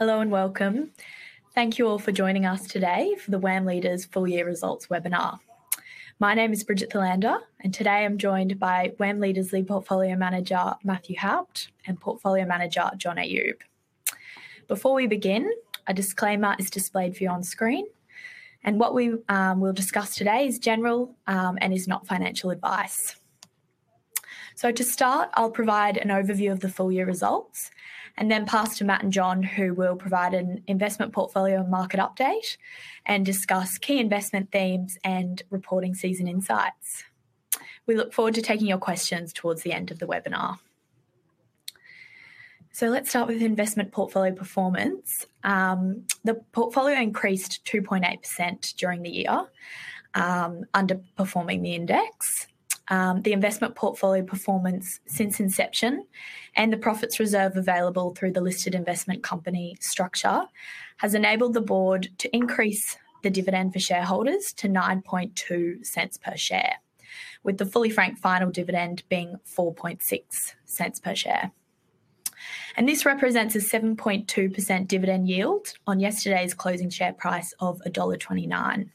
Hello and welcome. Thank you all for joining us today for the WAM Leaders Full Year Results webinar. My name is Bridget Thelander, and today I'm joined by WAM Leaders Lead Portfolio Manager, Matthew Haupt, and Portfolio Manager, John Ayoub. Before we begin, a disclaimer is displayed for you on screen, and what we, we'll discuss today is general, and is not financial advice. To start, I'll provide an overview of the full-year results, and then pass to Matt and John, who will provide an investment portfolio and market update, and discuss key investment themes and reporting season insights. We look forward to taking your questions towards the end of the webinar. Let's start with investment portfolio performance. The portfolio increased 2.8% during the year, underperforming the index. The investment portfolio performance since inception and the profits reserve available through the listed investment company structure has enabled the board to increase the dividend for shareholders to 9.2 cents per share, with the fully franked final dividend being 4.6 cents per share, and this represents a 7.2% dividend yield on yesterday's closing share price of dollar 1.29.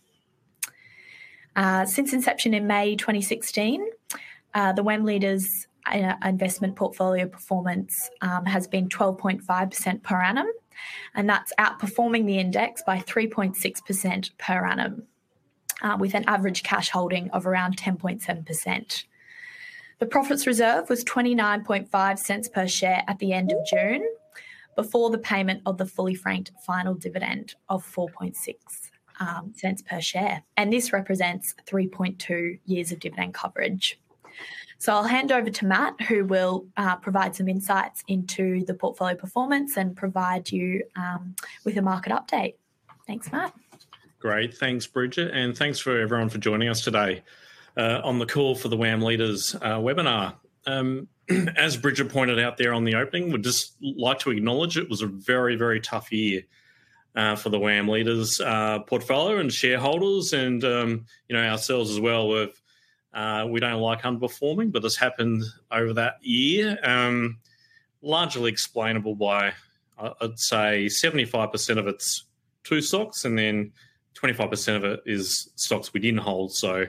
Since inception in May 2016, the WAM Leaders investment portfolio performance has been 12.5% per annum, and that's outperforming the index by 3.6% per annum, with an average cash holding of around 10.7%. The profits reserve was 29.5 cents per share at the end of June, before the payment of the fully franked final dividend of 4.6 cents per share, and this represents 3.2 years of dividend coverage. I'll hand over to Matt, who will provide some insights into the portfolio performance and provide you with a market update. Thanks, Matt. Great. Thanks, Bridget, and thanks for everyone for joining us today, on the call for the WAM Leaders, webinar. As Bridget pointed out there on the opening, we'd just like to acknowledge it was a very, very tough year, for the WAM Leaders, portfolio and shareholders and, you know, ourselves as well. We've, we don't like underperforming, but this happened over that year. Largely explainable by, I'd say 75% of it's two stocks, and then 25% of it is stocks we didn't hold. So,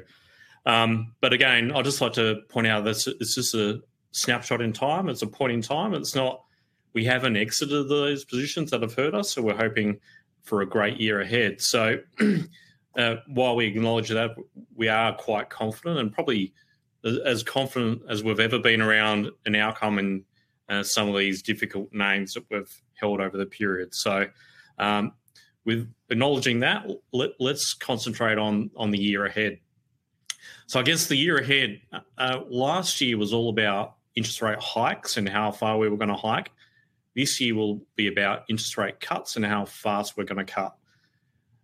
but again, I'd just like to point out that this is a snapshot in time, it's a point in time. It's not-- We haven't exited those positions that have hurt us, so we're hoping for a great year ahead. So, while we acknowledge that, we are quite confident and probably as confident as we've ever been around an outcome in some of these difficult names that we've held over the period. So, with acknowledging that, let's concentrate on the year ahead. So I guess the year ahead, last year was all about interest rate hikes and how far we were gonna hike. This year will be about interest rate cuts and how fast we're gonna cut.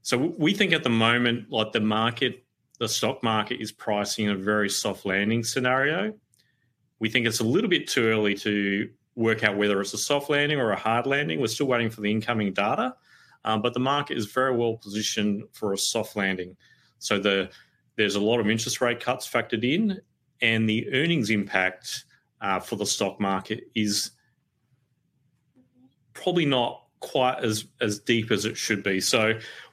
So we think at the moment, like the market, the stock market is pricing a very soft landing scenario. We think it's a little bit too early to work out whether it's a soft landing or a hard landing. We're still waiting for the incoming data, but the market is very well positioned for a soft landing. There's a lot of interest rate cuts factored in, and the earnings impact for the stock market is probably not quite as deep as it should be.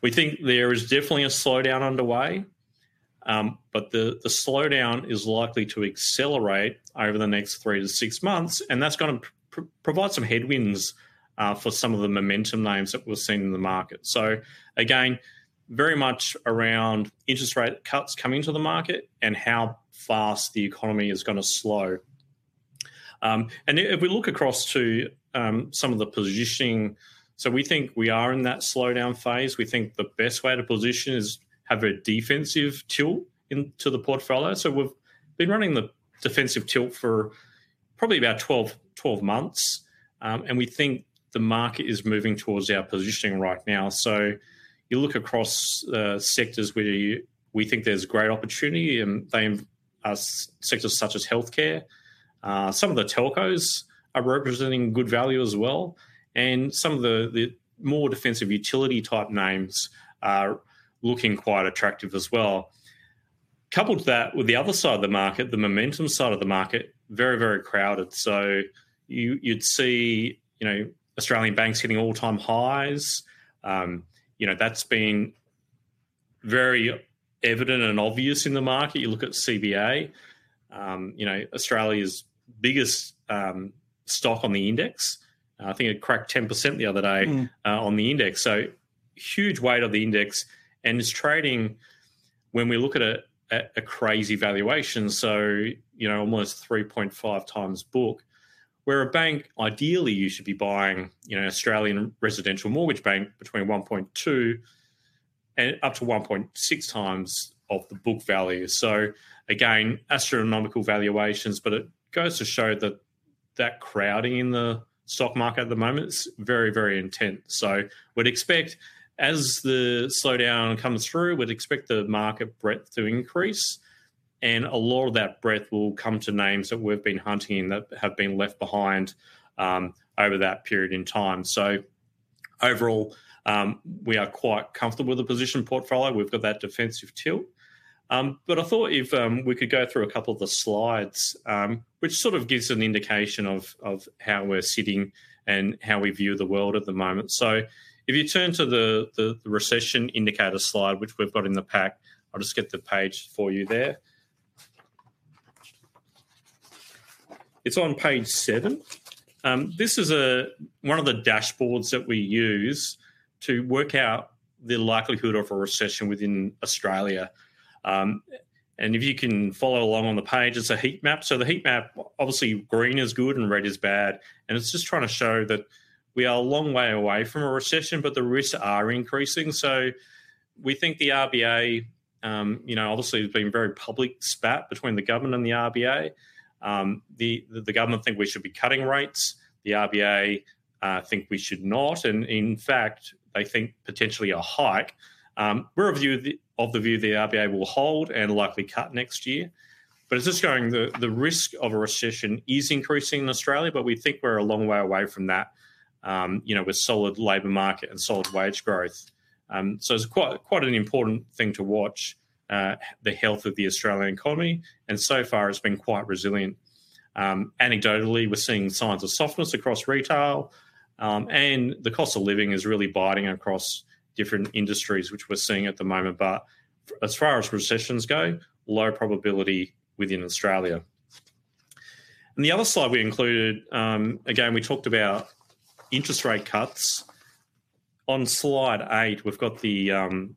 We think there is definitely a slowdown underway, but the slowdown is likely to accelerate over the next three to six months, and that's gonna provide some headwinds for some of the momentum names that we're seeing in the market. So again, very much around interest rate cuts coming to the market and how fast the economy is gonna slow. And if we look across to some of the positioning, so we think we are in that slowdown phase. We think the best way to position is have a defensive tilt into the portfolio. So we've been running the defensive tilt for probably about twelve months, and we think the market is moving towards our positioning right now. So you look across sectors where we think there's great opportunity, and sectors such as healthcare, some of the telcos are representing good value as well, and some of the more defensive utility type names are looking quite attractive as well. Coupled that with the other side of the market, the momentum side of the market, very, very crowded. So you'd see, you know, Australian banks hitting all-time highs. You know, that's been very evident and obvious in the market. You look at CBA, you know, Australia's biggest stock on the index. I think it cracked 10% the other day- Mm. On the index, so huge weight of the index, and it's trading, when we look at it, at a crazy valuation, so you know, almost three point five times book, where a bank, ideally, you should be buying, you know, Australian Residential Mortgage Bank between one point two and up to one point six times of the book value. So again, astronomical valuations, but it goes to show that crowding in the stock market at the moment is very, very intense. So we'd expect as the slowdown comes through, we'd expect the market breadth to increase, and a lot of that breadth will come to names that we've been hunting, that have been left behind, over that period in time. So overall, we are quite comfortable with the position portfolio. We've got that defensive tilt. But I thought if we could go through a couple of the slides, which sort of gives an indication of how we're sitting and how we view the world at the moment. So if you turn to the recession indicator slide, which we've got in the pack, I'll just get the page for you there. It's on page seven. This is one of the dashboards that we use to work out the likelihood of a recession within Australia, and if you can follow along on the page, it's a heat map. So the heat map, obviously, green is good and red is bad, and it's just trying to show that we are a long way away from a recession, but the risks are increasing. So we think the RBA, you know, obviously, there's been very public spat between the government and the RBA. The government think we should be cutting rates. The RBA think we should not, and in fact, they think potentially a hike. We're of the view the RBA will hold and likely cut next year. But it's just showing the risk of a recession is increasing in Australia, but we think we're a long way away from that, you know, with solid labor market and solid wage growth. So it's quite an important thing to watch, the health of the Australian economy, and so far it's been quite resilient. Anecdotally, we're seeing signs of softness across retail, and the cost of living is really biting across different industries, which we're seeing at the moment, but as far as recessions go, low probability within Australia. And the other slide we included, again, we talked about interest rate cuts. On slide eight, we've got the...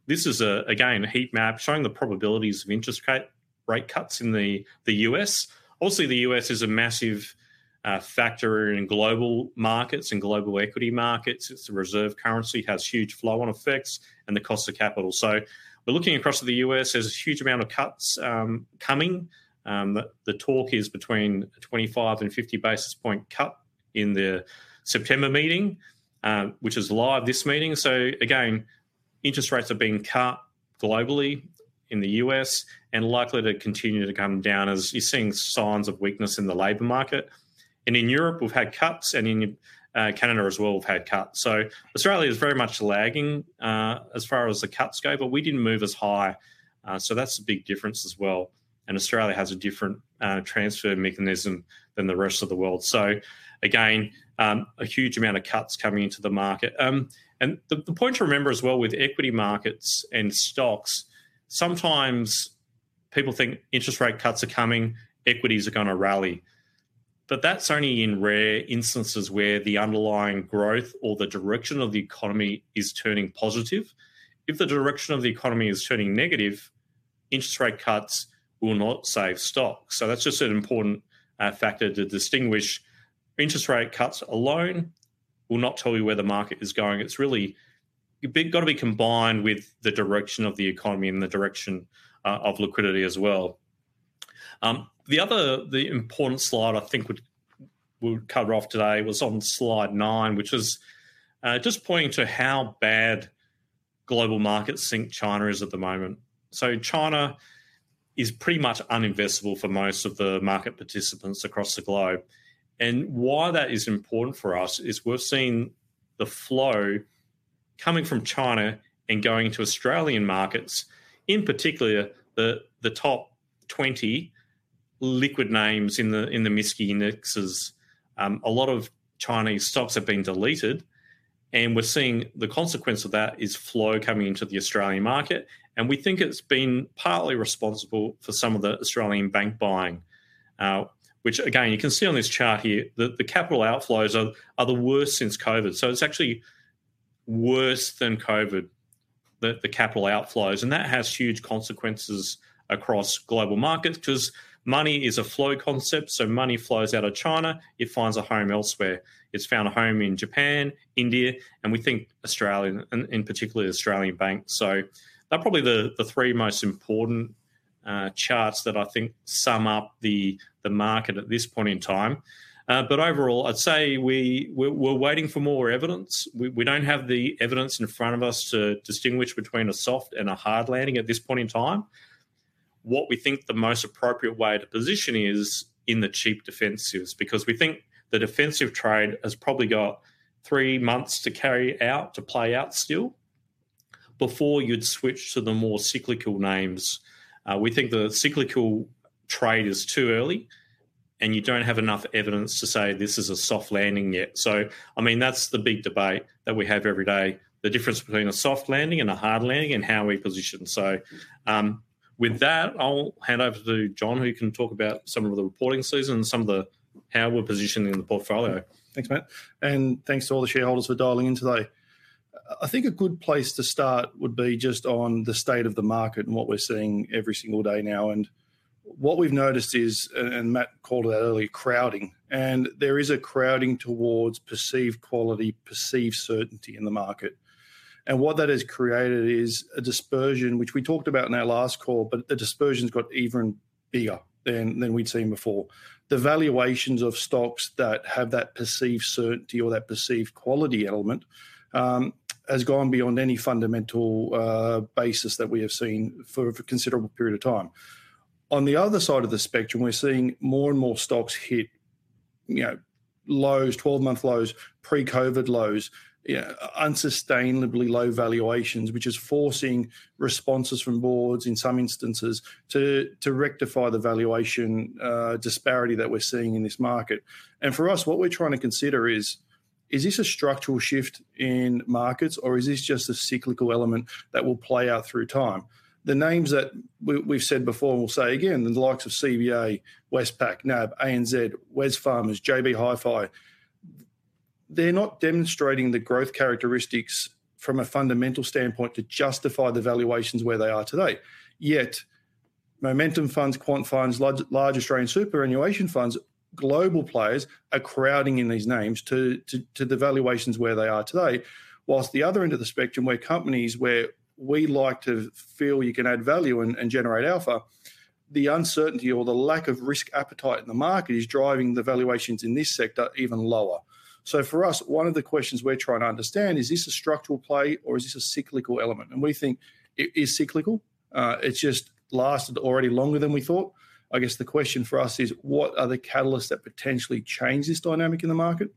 This is, again, a heat map showing the probabilities of interest cut, rate cuts in the U.S. Obviously, the U.S. is a massive factor in global markets and global equity markets. It's a reserve currency, has huge flow-on effects, and the cost of capital. So we're looking across to the U.S., there's a huge amount of cuts coming. The talk is between a twenty-five and fifty basis point cut in the September meeting, which is live this meeting. So again, interest rates are being cut globally in the U.S. and likely to continue to come down as you're seeing signs of weakness in the labor market. And in Europe, we've had cuts, and in Canada as well, we've had cuts. So Australia is very much lagging, as far as the cuts go, but we didn't move as high. So that's a big difference as well. And Australia has a different transfer mechanism than the rest of the world. So again, a huge amount of cuts coming into the market. And the point to remember as well with equity markets and stocks, sometimes people think interest rate cuts are coming, equities are gonna rally. But that's only in rare instances where the underlying growth or the direction of the economy is turning positive. If the direction of the economy is turning negative, interest rate cuts will not save stocks. So that's just an important factor to distinguish. Interest rate cuts alone will not tell you where the market is going. It's really. It's got to be combined with the direction of the economy and the direction of liquidity as well. The important slide, I think, we'll cover off today was on slide nine, which is just pointing to how bad global markets think China is at the moment. So China is pretty much uninvestable for most of the market participants across the globe. And why that is important for us is we're seeing the flow coming from China and going to Australian markets, in particular, the top twenty liquid names in the MSCI indexes. A lot of Chinese stocks have been deleted, and we're seeing the consequence of that is flow coming into the Australian market, and we think it's been partly responsible for some of the Australian bank buying. Which again, you can see on this chart here, that the capital outflows are the worst since COVID, so it's actually worse than COVID, the capital outflows, and that has huge consequences across global markets because money is a flow concept, so money flows out of China, it finds a home elsewhere. It's found a home in Japan, India, and we think Australia, and in particular, Australian banks. So they're probably the three most important charts that I think sum up the market at this point in time, but overall, I'd say we're waiting for more evidence. We don't have the evidence in front of us to distinguish between a soft and a hard landing at this point in time. What we think the most appropriate way to position is in the cheap defensives, because we think the defensive trade has probably got three months to carry out, to play out still, before you'd switch to the more cyclical names. We think the cyclical trade is too early, and you don't have enough evidence to say this is a soft landing yet. So I mean, that's the big debate that we have every day, the difference between a soft landing and a hard landing and how we position. So, with that, I'll hand over to John, who can talk about some of the reporting season and some of the how we're positioning the portfolio. Thanks, Matt, and thanks to all the shareholders for dialing in today. I think a good place to start would be just on the state of the market and what we're seeing every single day now. And what we've noticed is, and Matt called it out earlier, crowding, and there is a crowding towards perceived quality, perceived certainty in the market. And what that has created is a dispersion, which we talked about in our last call, but the dispersion's got even bigger than we'd seen before. The valuations of stocks that have that perceived certainty or that perceived quality element has gone beyond any fundamental basis that we have seen for a considerable period of time. On the other side of the spectrum, we're seeing more and more stocks hit, you know, lows, twelve-month lows, pre-COVID lows, yeah, unsustainably low valuations, which is forcing responses from boards in some instances to rectify the valuation disparity that we're seeing in this market, and for us, what we're trying to consider is: Is this a structural shift in markets, or is this just a cyclical element that will play out through time? The names that we've said before, and we'll say again, the likes of CBA, Westpac, NAB, ANZ, Wesfarmers, JB Hi-Fi, they're not demonstrating the growth characteristics from a fundamental standpoint to justify the valuations where they are today. Yet momentum funds, quant funds, large Australian superannuation funds, global players are crowding in these names to the valuations where they are today. Whilst the other end of the spectrum, where companies we like to feel you can add value and generate alpha, the uncertainty or the lack of risk appetite in the market is driving the valuations in this sector even lower. So for us, one of the questions we're trying to understand is this a structural play, or is this a cyclical element? And we think it is cyclical. It's just lasted already longer than we thought. I guess the question for us is: What are the catalysts that potentially change this dynamic in the market?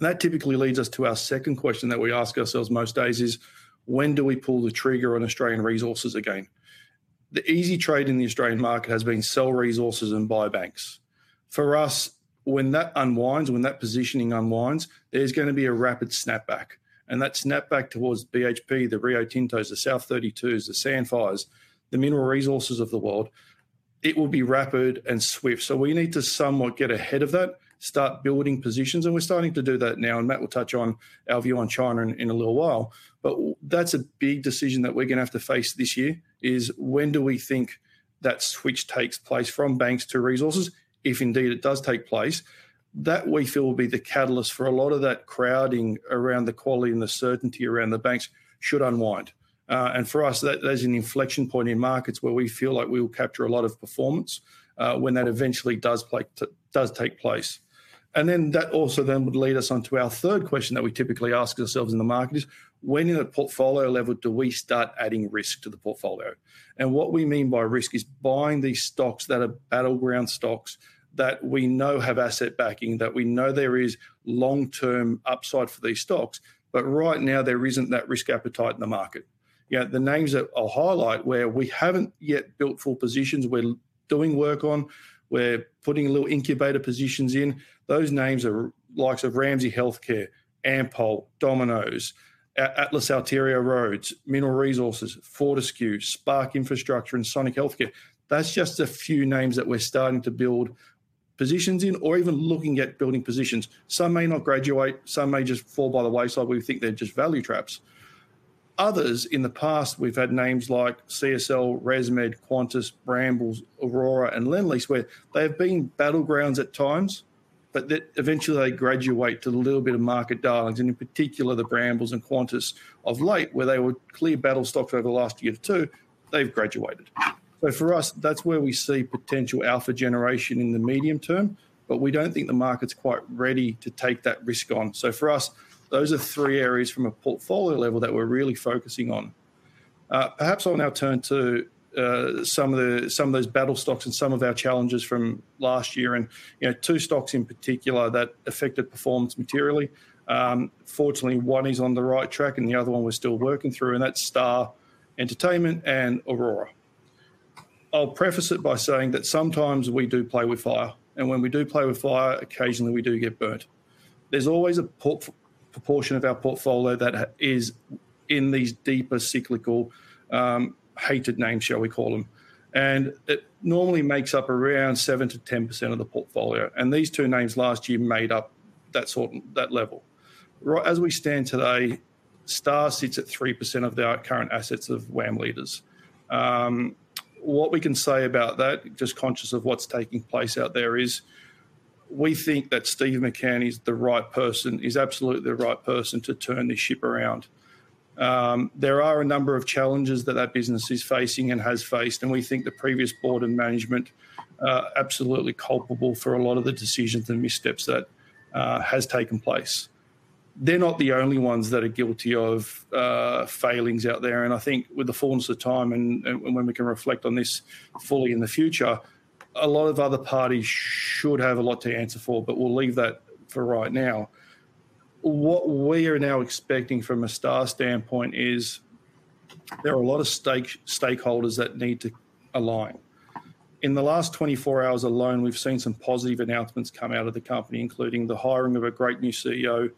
That typically leads us to our second question that we ask ourselves most days is: When do we pull the trigger on Australian resources again? The easy trade in the Australian market has been sell resources and buy banks. For us, when that unwinds, when that positioning unwinds, there's gonna be a rapid snapback, and that snapback towards BHP, the Rio Tinto, the South32s, the Sandfires, the Mineral Resources of the world, it will be rapid and swift. So we need to somewhat get ahead of that, start building positions, and we're starting to do that now, and Matt will touch on our view on China in a little while. But that's a big decision that we're gonna have to face this year, is when do we think that switch takes place from banks to resources, if indeed it does take place? That, we feel, will be the catalyst for a lot of that crowding around the quality, and the certainty around the banks should unwind. And for us, there's an inflection point in markets where we feel like we will capture a lot of performance, when that eventually does take place. And then that also then would lead us on to our third question that we typically ask ourselves in the market is: When, in a portfolio level, do we start adding risk to the portfolio? And what we mean by risk is buying these stocks that are battleground stocks, that we know have asset backing, that we know there is long-term upside for these stocks, but right now there isn't that risk appetite in the market. Yet the names that I'll highlight, where we haven't yet built full positions, we're doing work on, we're putting a little incubator positions in, those names are likes of Ramsay Health Care, Ampol, Domino's, Atlas Arteria Roads, Mineral Resources, Fortescue, Spark Infrastructure, and Sonic Healthcare. That's just a few names that we're starting to build positions in or even looking at building positions. Some may not graduate. Some may just fall by the wayside. We think they're just value traps. Others, in the past, we've had names like CSL, ResMed, Qantas, Brambles, Orora, and Lendlease, where they've been battlegrounds at times, but they eventually graduate to the little bit of market darlings, and in particular, the Brambles and Qantas of late, where they were clear battle stocks over the last year or two, they've graduated. But for us, that's where we see potential alpha generation in the medium term, but we don't think the market's quite ready to take that risk on. So for us, those are three areas from a portfolio level that we're really focusing on. Perhaps I'll now turn to some of the, some of those battle stocks and some of our challenges from last year and, you know, two stocks in particular that affected performance materially. Fortunately, one is on the right track, and the other one we're still working through, and that's Star Entertainment and Orora. I'll preface it by saying that sometimes we do play with fire, and when we do play with fire, occasionally we do get burnt. There's always a proportion of our portfolio that is in these deeper cyclical, hated names, shall we call them, and it normally makes up around 7-10% of the portfolio, and these two names last year made up that sort, that level. Right, as we stand today, Star sits at 3% of our current assets of WAM Leaders. What we can say about that, just conscious of what's taking place out there is, we think that Steve McCann is the right person, is absolutely the right person to turn this ship around. There are a number of challenges that that business is facing and has faced, and we think the previous board and management are absolutely culpable for a lot of the decisions and missteps that has taken place. They're not the only ones that are guilty of failings out there, and I think with the forms of time and when we can reflect on this fully in the future, a lot of other parties should have a lot to answer for, but we'll leave that for right now. What we are now expecting from a Star standpoint is there are a lot of stakeholders that need to align. In the last twenty-four hours alone, we've seen some positive announcements come out of the company, including the hiring of a great new CEO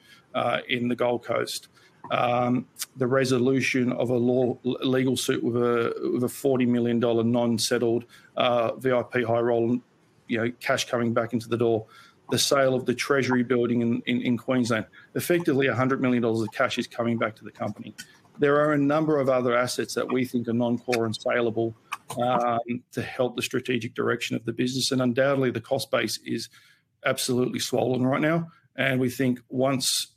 in the Gold Coast, the resolution of a legal suit with a 40 million dollar non-settled VIP high roller, you know, cash coming back into the door, the sale of the Treasury Building in Queensland. Effectively, 100 million dollars of cash is coming back to the company. There are a number of other assets that we think are non-core and saleable to help the strategic direction of the business, and undoubtedly, the cost base is absolutely swollen right now. And we think once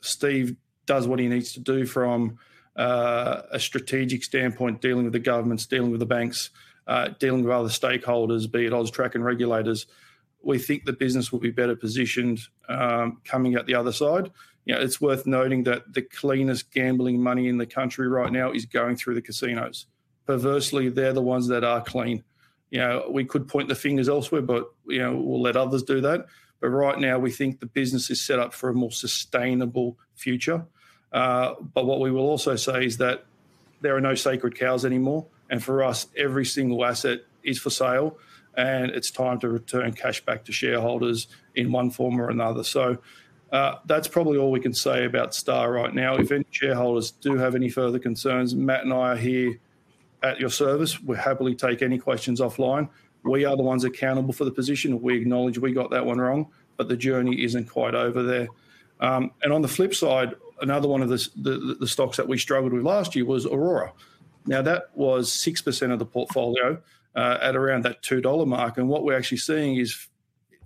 Steve does what he needs to do from a strategic standpoint, dealing with the governments, dealing with the banks, dealing with other stakeholders, be it AUSTRAC and regulators, we think the business will be better positioned coming out the other side. You know, it's worth noting that the cleanest gambling money in the country right now is going through the casinos... perversely, they're the ones that are clean. You know, we could point the fingers elsewhere, but, you know, we'll let others do that. But right now, we think the business is set up for a more sustainable future. But what we will also say is that there are no sacred cows anymore, and for us, every single asset is for sale, and it's time to return cash back to shareholders in one form or another. So, that's probably all we can say about Star right now. If any shareholders do have any further concerns, Matt and I are here at your service. We'll happily take any questions offline. We are the ones accountable for the position, and we acknowledge we got that one wrong, but the journey isn't quite over there. And on the flip side, another one of the stocks that we struggled with last year was Orora. Now, that was 6% of the portfolio at around that 2 dollar mark, and what we're actually seeing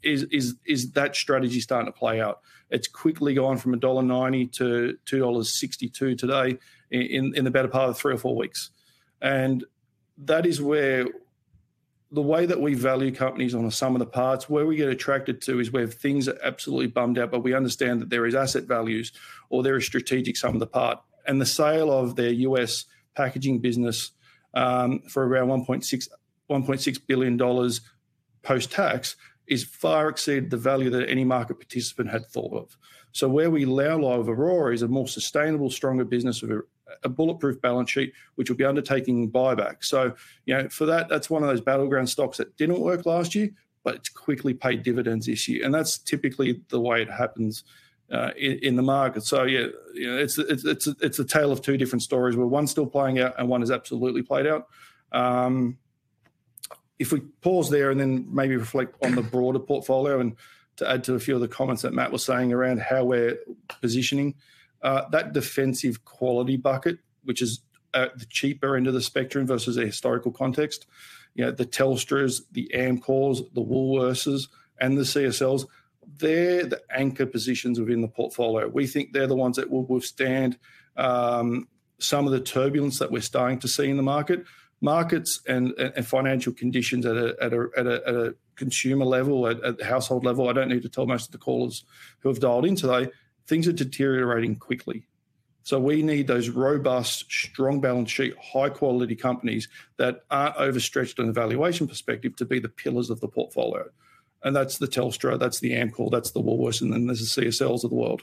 is that strategy starting to play out. It's quickly gone from a dollar 1.90 to 2.62 dollars today in the better part of three or four weeks. And that is where the way that we value companies on the sum of the parts, where we get attracted to is where things are absolutely bummed out, but we understand that there is asset values or there is strategic sum of the part, and the sale of their U.S. packaging business for around $1.6 billion post-tax is far exceeded the value that any market participant had thought of. So where we now lie with Orora is a more sustainable, stronger business with a bulletproof balance sheet, which will be undertaking buyback. So, you know, for that, that's one of those battleground stocks that didn't work last year, but it's quickly paid dividends this year, and that's typically the way it happens in the market. So yeah, you know, it's a tale of two different stories, where one's still playing out and one is absolutely played out. If we pause there and then maybe reflect on the broader portfolio, and to add to a few of the comments that Matt was saying around how we're positioning that defensive quality bucket, which is the cheaper end of the spectrum versus a historical context. You know, the Telstras, the Amcors, the Woolworths, and the CSLs, they're the anchor positions within the portfolio. We think they're the ones that will withstand some of the turbulence that we're starting to see in the market. Markets and financial conditions at a consumer level, at the household level, I don't need to tell most of the callers who have dialed in today, things are deteriorating quickly. So we need those robust, strong balance sheet, high-quality companies that aren't overstretched on the valuation perspective to be the pillars of the portfolio, and that's the Telstra, that's the Amcor, that's the Woolworths, and then there's the CSLs of the world.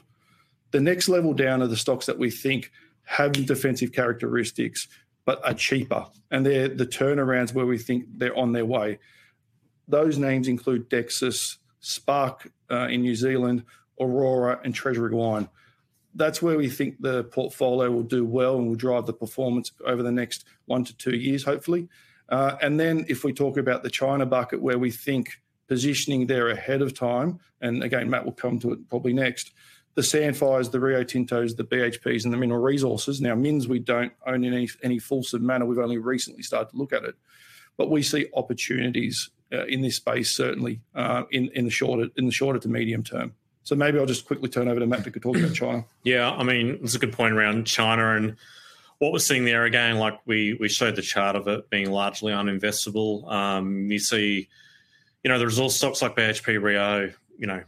The next level down are the stocks that we think have defensive characteristics but are cheaper, and they're the turnarounds where we think they're on their way. Those names include Dexus, Spark in New Zealand, Orora, and Treasury Wine. That's where we think the portfolio will do well and will drive the performance over the next one to two years, hopefully, and then if we talk about the China bucket, where we think positioning there ahead of time, and again, Matt will come to it probably next. The Sandfires, the Rio Tintos, the BHPs, and the mineral resources. Now, Mins, we don't own any fulsome manner. We've only recently started to look at it. But we see opportunities in this space, certainly, in the shorter to medium term. So maybe I'll just quickly turn over to Matt, who could talk about China. Yeah, I mean, it's a good point around China and what we're seeing there, again, like we showed the chart of it being largely uninvestable. You see, you know, there's all stocks like BHP, Rio, you know,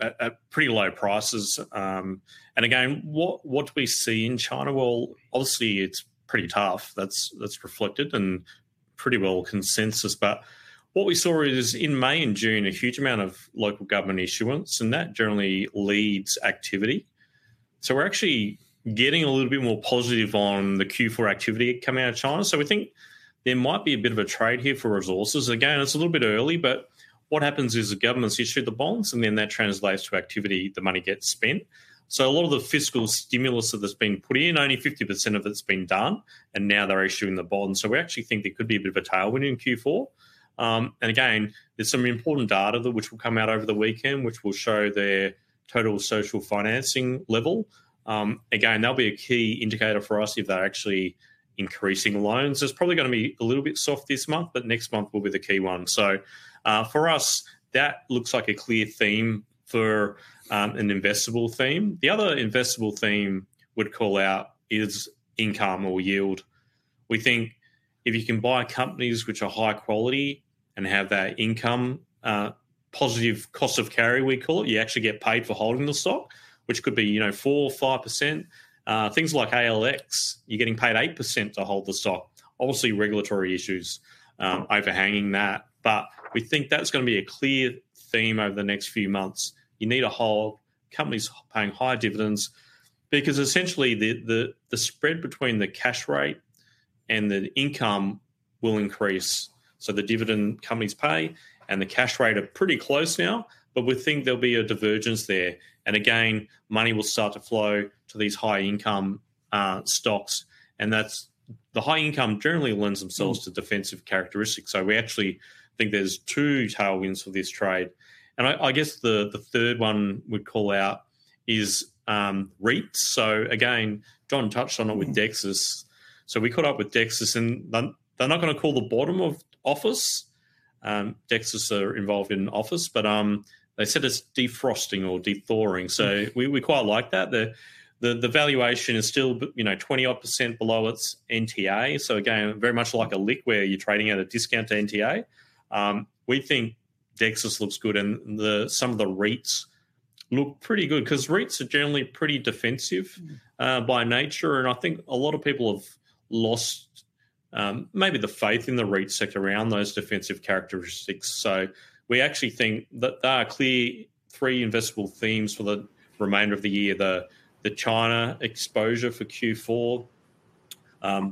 at pretty low prices. And again, what we see in China, well, obviously, it's pretty tough. That's reflected and pretty well consensus. But what we saw is in May and June, a huge amount of local government issuance, and that generally leads activity. So we're actually getting a little bit more positive on the Q4 activity coming out of China. So we think there might be a bit of a trade here for resources. Again, it's a little bit early, but what happens is the government's issued the bonds, and then that translates to activity, the money gets spent. So a lot of the fiscal stimulus that's been put in, only 50% of it's been done, and now they're issuing the bonds. We actually think there could be a bit of a tailwind in Q4. And again, there's some important data that which will come out over the weekend, which will show their total social financing level. Again, that'll be a key indicator for us if they're actually increasing loans. It's probably gonna be a little bit soft this month, but next month will be the key one. For us, that looks like a clear theme for an investable theme. The other investable theme would call out is income or yield. We think if you can buy companies which are high quality and have that income, positive cost of carry, we call it, you actually get paid for holding the stock, which could be, you know, 4% or 5%. Things like ALX, you're getting paid 8% to hold the stock. Obviously, regulatory issues overhanging that, but we think that's gonna be a clear theme over the next few months. You need to hold companies paying higher dividends, because essentially, the spread between the cash rate and the income will increase. So the dividend companies pay and the cash rate are pretty close now, but we think there'll be a divergence there, and again, money will start to flow to these high income stocks, and that's the high income generally lends themselves to defensive characteristics. So we actually think there's two tailwinds for this trade, and I guess the third one we'd call out is REITs. So again, John touched on it with Dexus. So we caught up with Dexus, and then they're not going to call the bottom of office. Dexus are involved in office, but they said it's defrosting or dethawing, so we quite like that. The valuation is still, you know, 20-odd% below its NTA. So again, very much like a LIC, where you're trading at a discount to NTA. We think Dexus looks good, and some of the REITs look pretty good 'cause REITs are generally pretty defensive by nature, and I think a lot of people have lost maybe the faith in the REIT sector around those defensive characteristics. So we actually think that there are clear three investable themes for the remainder of the year: the China exposure for Q4,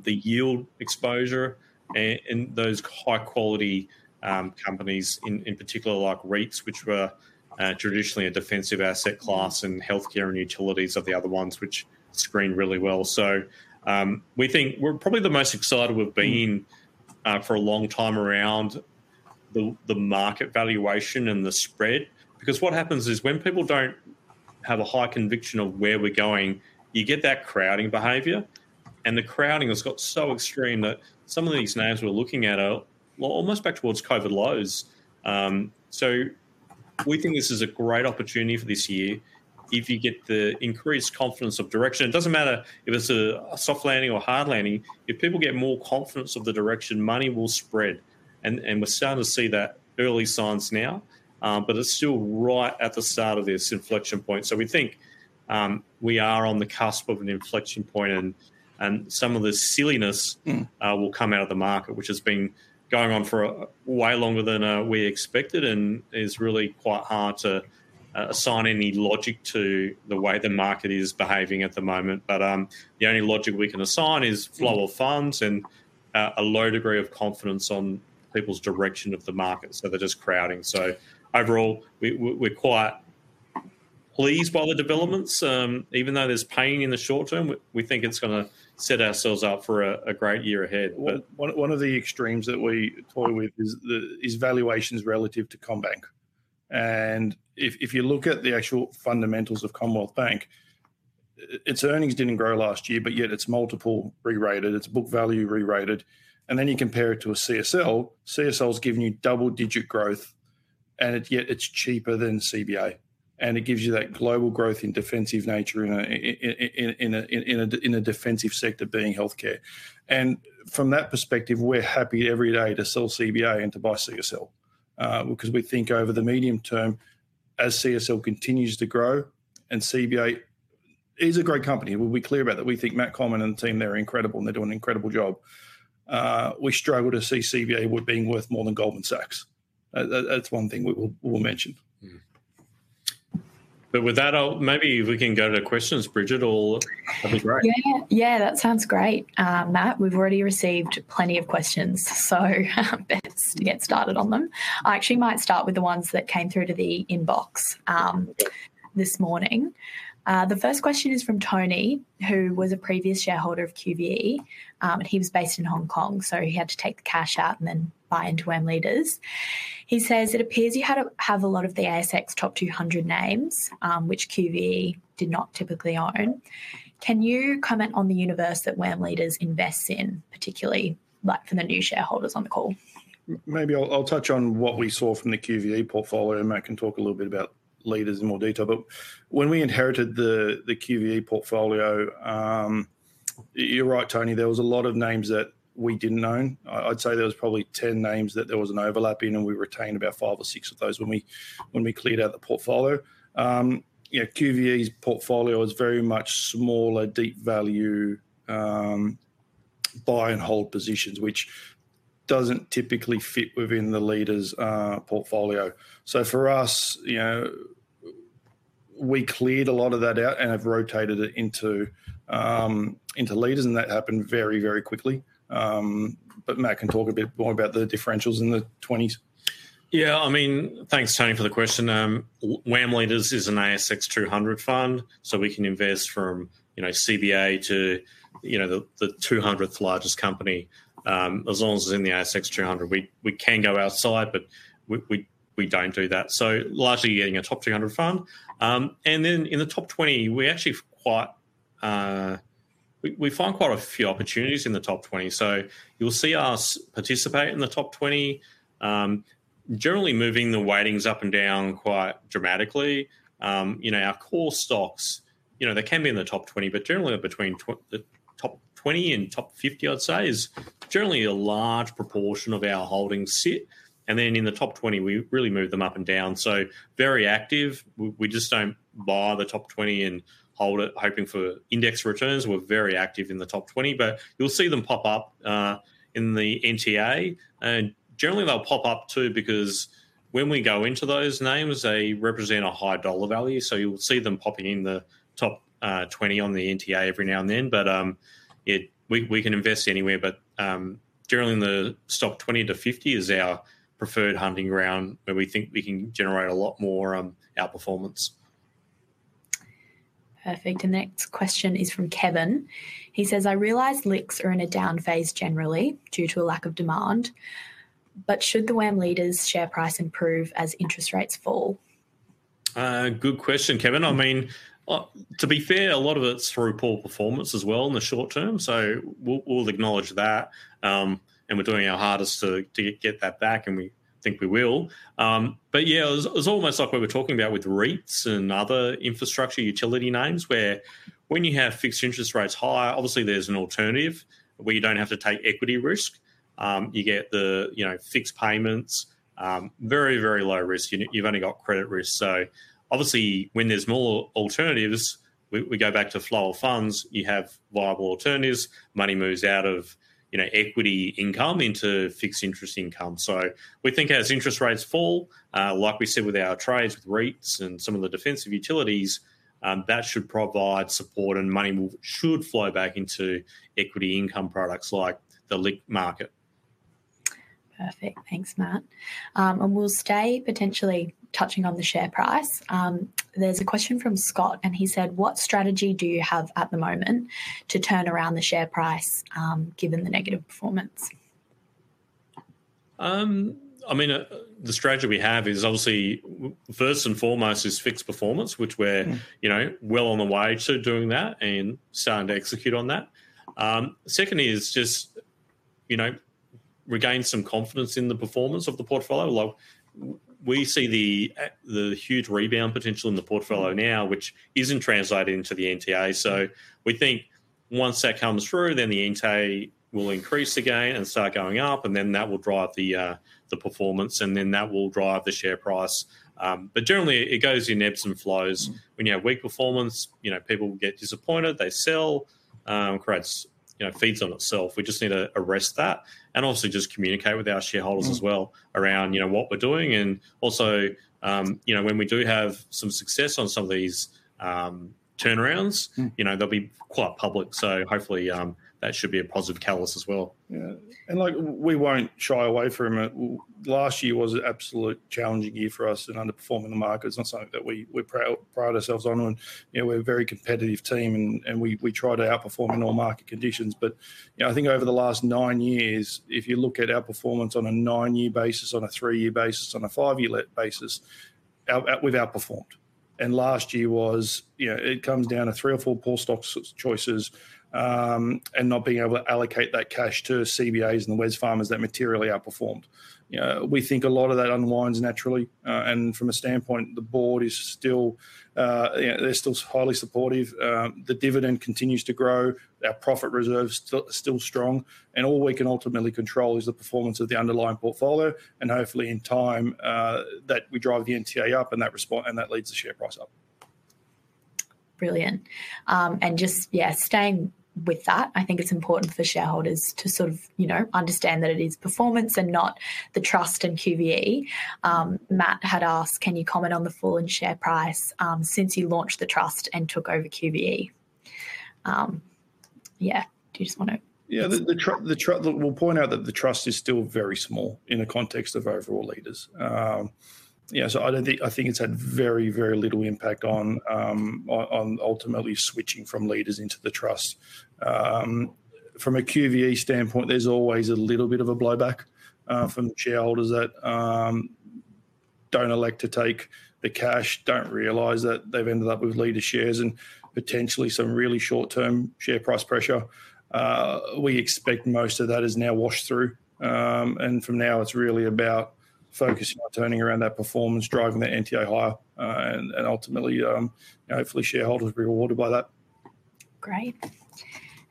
the yield exposure, and those high-quality companies in particular, like REITs, which were traditionally a defensive asset class, and healthcare and utilities are the other ones which screen really well. So we think we're probably the most excited we've been for a long time around the market valuation and the spread. Because what happens is, when people don't have a high conviction of where we're going, you get that crowding behavior, and the crowding has got so extreme that some of these names we're looking at are, well, almost back towards COVID lows. So we think this is a great opportunity for this year. If you get the increased confidence of direction, it doesn't matter if it's a soft landing or hard landing, if people get more confidence of the direction, money will spread, and we're starting to see the early signs now, but it's still right at the start of this inflection point. So we think, we are on the cusp of an inflection point, and some of the silliness- Mm... will come out of the market, which has been going on for way longer than we expected, and is really quite hard to assign any logic to the way the market is behaving at the moment. But the only logic we can assign is flow of funds and a low degree of confidence on people's direction of the market, so they're just crowding. So overall, we're quite pleased by the developments. Even though there's pain in the short term, we think it's gonna set ourselves up for a great year ahead, but- One of the extremes that we toy with is valuations relative to CommBank. And if you look at the actual fundamentals of Commonwealth Bank, its earnings didn't grow last year, but yet its multiple rerated, its book value rerated, and then you compare it to a CSL. CSL's giving you double-digit growth, and yet it's cheaper than CBA, and it gives you that global growth in defensive nature, in a defensive sector, being healthcare. And from that perspective, we're happy every day to sell CBA and to buy CSL, because we think over the medium term, as CSL continues to grow, and CBA is a great company, we'll be clear about that. We think Matt Comyn and the team, they're incredible, and they do an incredible job. We struggle to see CBA worth being worth more than Goldman Sachs. That's one thing we will mention. Mm-hmm. But with that, maybe we can go to questions, Bridget, or? That'd be great. Yeah. Yeah, that sounds great. Matt, we've already received plenty of questions, so best to get started on them. I actually might start with the ones that came through to the inbox this morning. The first question is from Tony, who was a previous shareholder of QVE, and he was based in Hong Kong, so he had to take the cash out and then buy into WAM Leaders. He says: "It appears you have a lot of the ASX top two hundred names, which QVE did not typically own. Can you comment on the universe that WAM Leaders invests in, particularly, like, for the new shareholders on the call? Maybe I'll touch on what we saw from the QVE portfolio, and Matt can talk a little bit about Leaders in more detail. But when we inherited the QVE portfolio, you're right, Tony, there was a lot of names that we didn't own. I'd say there was probably 10 names that there was an overlap in, and we retained about 5 or 6 of those when we cleared out the portfolio. You know, QVE's portfolio is very much smaller, deep value, buy and hold positions, which doesn't typically fit within the Leaders' portfolio. So for us, you know, we cleared a lot of that out and have rotated it into Leaders, and that happened very, very quickly. But Matt can talk a bit more about the differentials in the twenties. Yeah, I mean, thanks, Tony, for the question. WAM Leaders is an ASX two hundred fund, so we can invest from, you know, CBA to, you know, the two hundredth largest company, as long as it's in the ASX two hundred. We can go outside, but we don't do that. So largely, you're getting a top two hundred fund, and then in the top twenty, we're actually quite... we find quite a few opportunities in the top twenty, so you'll see us participate in the top twenty, generally moving the weightings up and down quite dramatically. You know, our core stocks, you know, they can be in the top twenty, but generally between the top twenty and top fifty, I'd say, is generally a large proportion of our holdings sit, and then in the top twenty, we really move them up and down, so very active. We just don't buy the top twenty and hold it, hoping for index returns. We're very active in the top twenty, but you'll see them pop up in the NTA, and generally, they'll pop up too, because when we go into those names, they represent a high dollar value, so you'll see them popping in the top twenty on the NTA every now and then. We can invest anywhere, but generally the stock 20 to 50 is our preferred hunting ground, where we think we can generate a lot more outperformance. Perfect, the next question is from Kevin. He says: "I realize LICs are in a down phase generally, due to a lack of demand, but should the WAM Leaders' share price improve as interest rates fall? Good question, Kevin. I mean, to be fair, a lot of it's through poor performance as well in the short term, so we'll, we'll acknowledge that, and we're doing our hardest to, to get that back, and we think we will, but yeah, it's, it's almost like what we're talking about with REITs and other infrastructure utility names, where when you have fixed interest rates higher, obviously there's an alternative where you don't have to take equity risk. You get the, you know, fixed payments, very, very low risk. You've only got credit risk. So obviously, when there's more alternatives, we, we go back to flow of funds, you have viable alternatives, money moves out of, you know, equity income into fixed interest income. So we think as interest rates fall, like we said with our trades, with REITs, and some of the defensive utilities, that should provide support, and money move should flow back into equity income products like the LIC market. Perfect. Thanks, Matt. And we'll stay potentially touching on the share price. There's a question from Scott, and he said: "What strategy do you have at the moment to turn around the share price, given the negative performance? I mean, the strategy we have is obviously, first and foremost, to fix performance, which we're, you know, well on the way to doing that and starting to execute on that. Secondly is just, you know, regain some confidence in the performance of the portfolio. Like, we see the huge rebound potential in the portfolio now, which isn't translating to the NTA. So we think once that comes through, then the NTA will increase again and start going up, and then that will drive the performance, and then that will drive the share price. But generally, it goes in ebbs and flows. When you have weak performance, you know, people get disappointed, they sell, creates, you know, feeds on itself. We just need to arrest that, and also just communicate with our shareholders as well. Mm -around, you know, what we're doing, and also, you know, when we do have some success on some of these, turnarounds- Mm... you know, they'll be quite public. So hopefully, that should be a positive catalyst as well. Yeah. And, like, we won't shy away from it. Last year was an absolute challenging year for us and underperforming the market. It's not something that we pride ourselves on, and, you know, we're a very competitive team, and we try to outperform in all market conditions. But, you know, I think over the last nine years, if you look at our performance on a nine-year basis, on a three-year basis, on a five-year basis, we've outperformed, and last year was. You know, it comes down to three or four poor stock choices, and not being able to allocate that cash to CBAs and the Wesfarmers that materially outperformed. You know, we think a lot of that unwinds naturally, and from a standpoint, the board is still, you know, they're still highly supportive. The dividend continues to grow, our profits reserve's still strong, and all we can ultimately control is the performance of the underlying portfolio, and hopefully, in time, that we drive the NTA up, and that respond, and that leads the share price up. Brilliant. And just, yeah, staying with that, I think it's important for shareholders to sort of, you know, understand that it is performance and not the trust and QVE. Matt had asked: "Can you comment on the fall in share price since you launched the trust and took over QVE?" Yeah. Do you just wanna- Yeah, the trust. We'll point out that the trust is still very small in the context of overall Leaders. So I don't think. I think it's had very, very little impact on ultimately switching from Leaders into the trust. From a QVE standpoint, there's always a little bit of a blowback from the shareholders that don't elect to take the cash, don't realize that they've ended up with Leaders shares and potentially some really short-term share price pressure. We expect most of that is now washed through, and from now, it's really about focusing on turning around that performance, driving the NTA higher, and ultimately, you know, hopefully, shareholders rewarded by that. Great.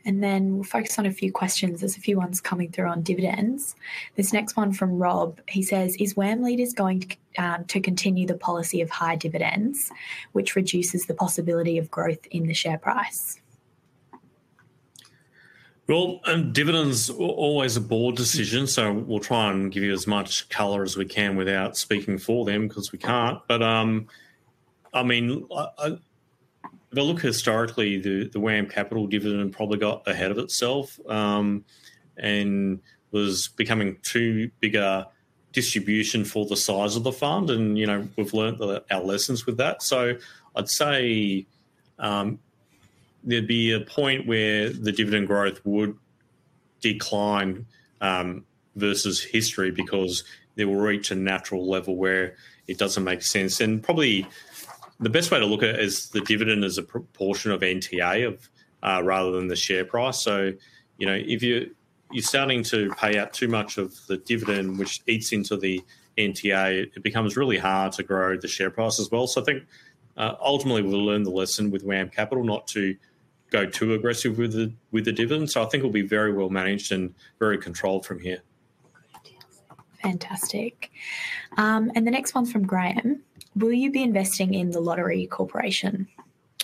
And then we'll focus on a few questions. There's a few ones coming through on dividends. This next one from Rob, he says: "Is WAM Leaders going to continue the policy of high dividends, which reduces the possibility of growth in the share price? Dividends are always a board decision, so we'll try and give you as much color as we can without speaking for them, 'cause we can't, but I mean, if you look historically, the WAM Capital dividend probably got ahead of itself, and was becoming too big a distribution for the size of the fund, and you know, we've learned our lessons with that, so I'd say there'd be a point where the dividend growth would decline versus history, because they will reach a natural level where it doesn't make sense, and probably the best way to look at it is the dividend is a proportion of NTA rather than the share price. You know, if you're starting to pay out too much of the dividend, which eats into the NTA, it becomes really hard to grow the share price as well. I think ultimately we'll learn the lesson with WAM Capital, not to go too aggressive with the dividend. I think it'll be very well managed and very controlled from here. Fantastic. And the next one's from Graham: "Will you be investing in the Lottery Corporation?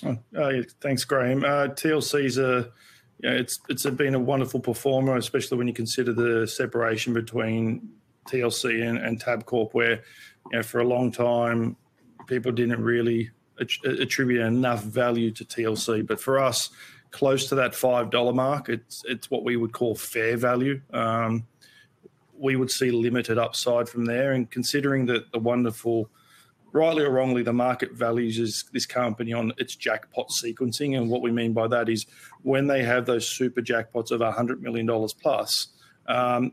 Oh, yeah. Thanks, Graham. TLC is. It's been a wonderful performer, especially when you consider the separation between TLC and Tabcorp, where, you know, for a long time, people didn't really attribute enough value to TLC. But for us, close to that 5 dollar mark, it's what we would call fair value. And we would see limited upside from there, and considering that the wonderful, rightly or wrongly, the market values is this company on its jackpot sequencing. And what we mean by that is, when they have those super jackpots of 100 million dollars plus,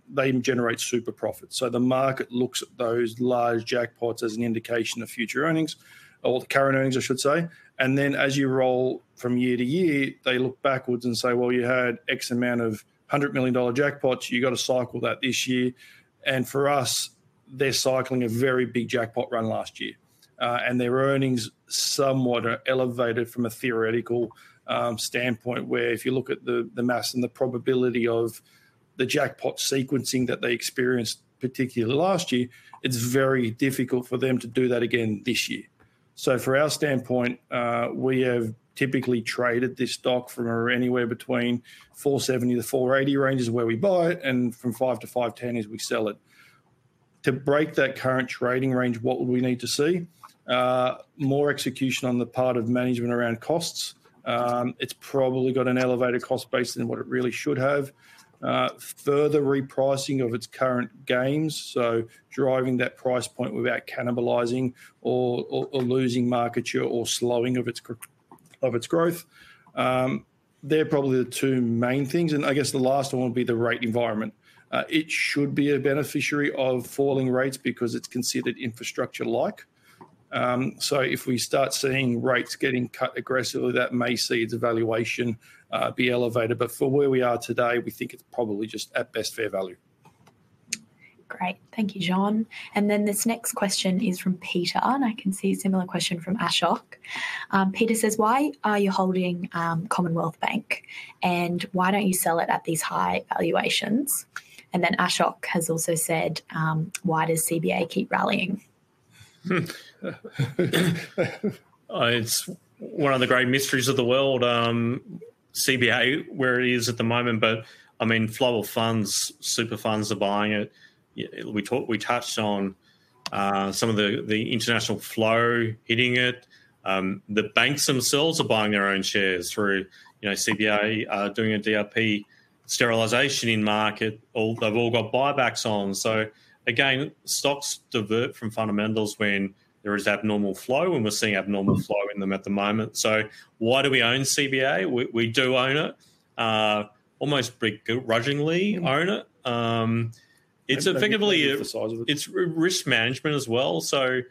they generate super profits. So the market looks at those large jackpots as an indication of future earnings, or the current earnings, I should say. And then, as you roll from year to year, they look backwards and say: "Well, you had X amount of $100 million jackpots, you got to cycle that this year." And for us, they're cycling a very big jackpot run last year. And their earnings somewhat are elevated from a theoretical standpoint, where if you look at the math and the probability of the jackpot sequencing that they experienced, particularly last year, it's very difficult for them to do that again this year. So from our standpoint, we have typically traded this stock from or anywhere between 4.70-4.80 range is where we buy it, and from 5.00-5.10 is we sell it. To break that current trading range, what would we need to see? More execution on the part of management around costs. It's probably got an elevated cost base than what it really should have. Further repricing of its current gains, so driving that price point without cannibalizing or losing market share or slowing of its growth. They're probably the two main things, and I guess the last one would be the rate environment. It should be a beneficiary of falling rates because it's considered infrastructure-like. So if we start seeing rates getting cut aggressively, that may see its valuation be elevated. But for where we are today, we think it's probably just at best fair value. Great. Thank you, John. And then this next question is from Peter, and I can see a similar question from Ashok. Peter says: "Why are you holding Commonwealth Bank, and why don't you sell it at these high valuations?" And then Ashok has also said: "Why does CBA keep rallying? It's one of the great mysteries of the world, CBA, where it is at the moment, but, I mean, flow of funds, super funds are buying it. We touched on some of the international flow hitting it. The banks themselves are buying their own shares through, you know, CBA, doing a DRP sterilization in market. They've all got buybacks on. So again, stocks divert from fundamentals when there is abnormal flow, and we're seeing abnormal flow in them at the moment. So why do we own CBA? We do own it almost begrudgingly own it. It's effectively- The size of it. It's risk management as well. So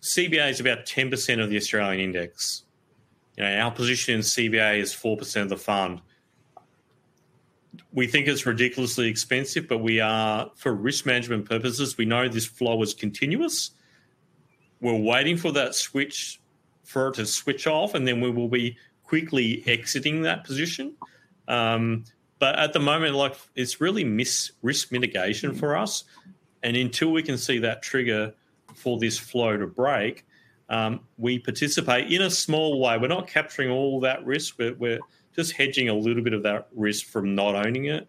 CBA is about 10% of the Australian index. You know, our position in CBA is 4% of the fund. We think it's ridiculously expensive, but we are, for risk management purposes, we know this flow is continuous. We're waiting for that switch, for it to switch off, and then we will be quickly exiting that position. But at the moment, like, it's really risk mitigation for us, and until we can see that trigger for this flow to break, we participate in a small way. We're not capturing all that risk, we're just hedging a little bit of that risk from not owning it.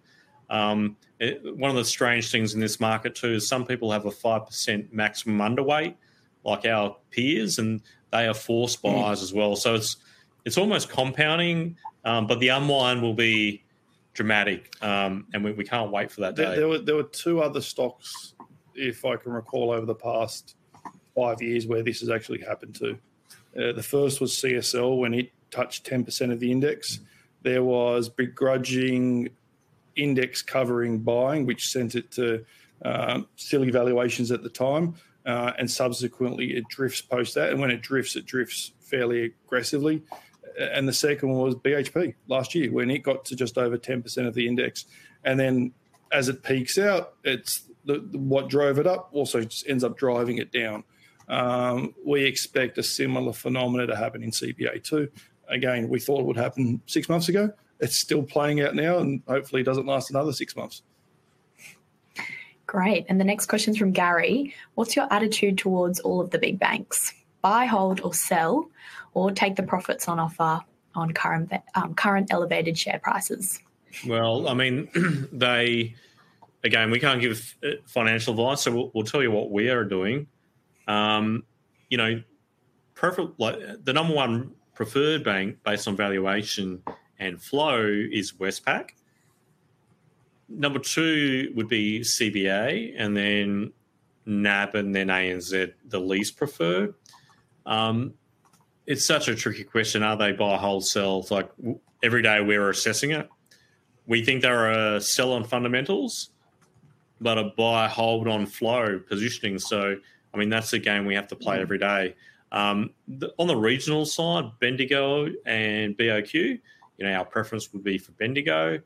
It's one of the strange things in this market, too, is some people have a 5% maximum underweight, like our peers, and they are forced buyers as well. So it's almost compounding, but the unwind will be dramatic, and we can't wait for that day. There were two other stocks, if I can recall, over the past five years, where this has actually happened to. The first was CSL, when it touched 10% of the index. There was begrudging index covering buying, which sent it to silly valuations at the time, and subsequently, it drifts post that, and when it drifts, it drifts fairly aggressively. And the second one was BHP last year, when it got to just over 10% of the index, and then as it peaks out, it's the what drove it up also just ends up driving it down. We expect a similar phenomena to happen in CBA, too. Again, we thought it would happen six months ago. It's still playing out now, and hopefully, it doesn't last another six months. Great, and the next question is from Gary: "What's your attitude towards all of the big banks? Buy, hold, or sell, or take the profits on offer on current elevated share prices? I mean, they again, we can't give financial advice, so we'll tell you what we are doing. You know, prefer like, the number one preferred bank based on valuation and flow is Westpac. Number two would be CBA, and then NAB, and then ANZ, the least preferred. It's such a tricky question. Are they buy, hold, sell? Like, every day, we're assessing it. We think they're a sell on fundamentals, but a buy, hold on flow positioning. So I mean, that's the game we have to play every day. On the regional side, Bendigo and BOQ, you know, our preference would be for Bendigo.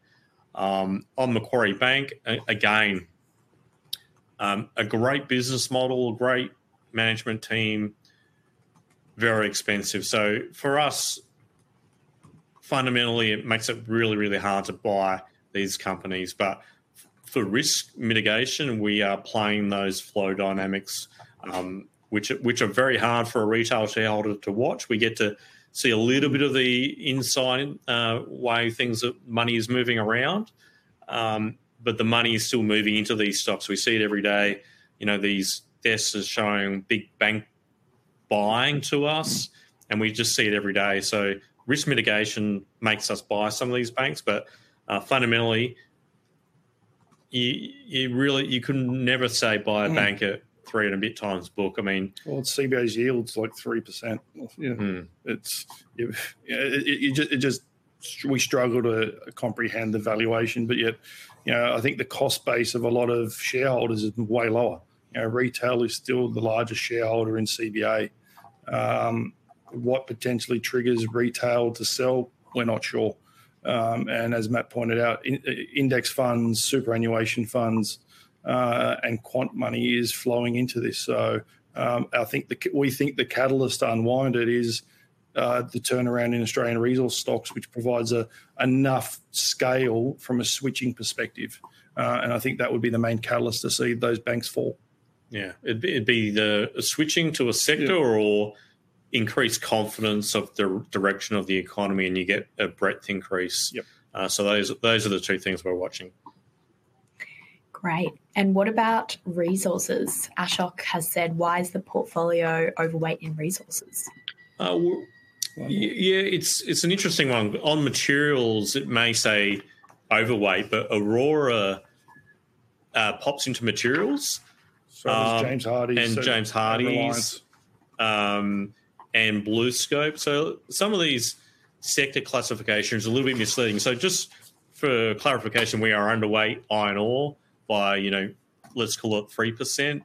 On Macquarie Bank, again, a great business model, a great management team, very expensive. So for us, fundamentally, it makes it really, really hard to buy these companies, but for risk mitigation, we are playing those flow dynamics, which are very hard for a retail shareholder to watch. We get to see a little bit of the inside way that money is moving around. But the money is still moving into these stocks. We see it every day. You know, these desks are showing big bank buying to us, and we just see it every day. So risk mitigation makes us buy some of these banks, but fundamentally, you really could never say buy a bank- Mm at three and a bit times book. I mean. CBA's yield's like 3%. Mm. Yeah. It just, we struggle to comprehend the valuation, but yet, you know, I think the cost base of a lot of shareholders is way lower. You know, retail is still the largest shareholder in CBA. What potentially triggers retail to sell? We're not sure. And as Matt pointed out, index funds, superannuation funds, and quant money is flowing into this. So, I think we think the catalyst to unwind it is the turnaround in Australian resource stocks, which provides enough scale from a switching perspective. And I think that would be the main catalyst to see those banks fall. Yeah. It'd be the switching to a sector- Yeah or increased confidence of the direction of the economy, and you get a breadth increase. Yep. So those are the two things we're watching. Great. And what about resources? Ashok has said: "Why is the portfolio overweight in resources? Yeah, it's an interesting one. On materials, it may say overweight, but Orora pops into materials. So does James Hardie- James Hardie... and others. and BlueScope. So some of these sector classification is a little bit misleading. So just for clarification, we are underweight iron ore by, you know, let's call it 3%.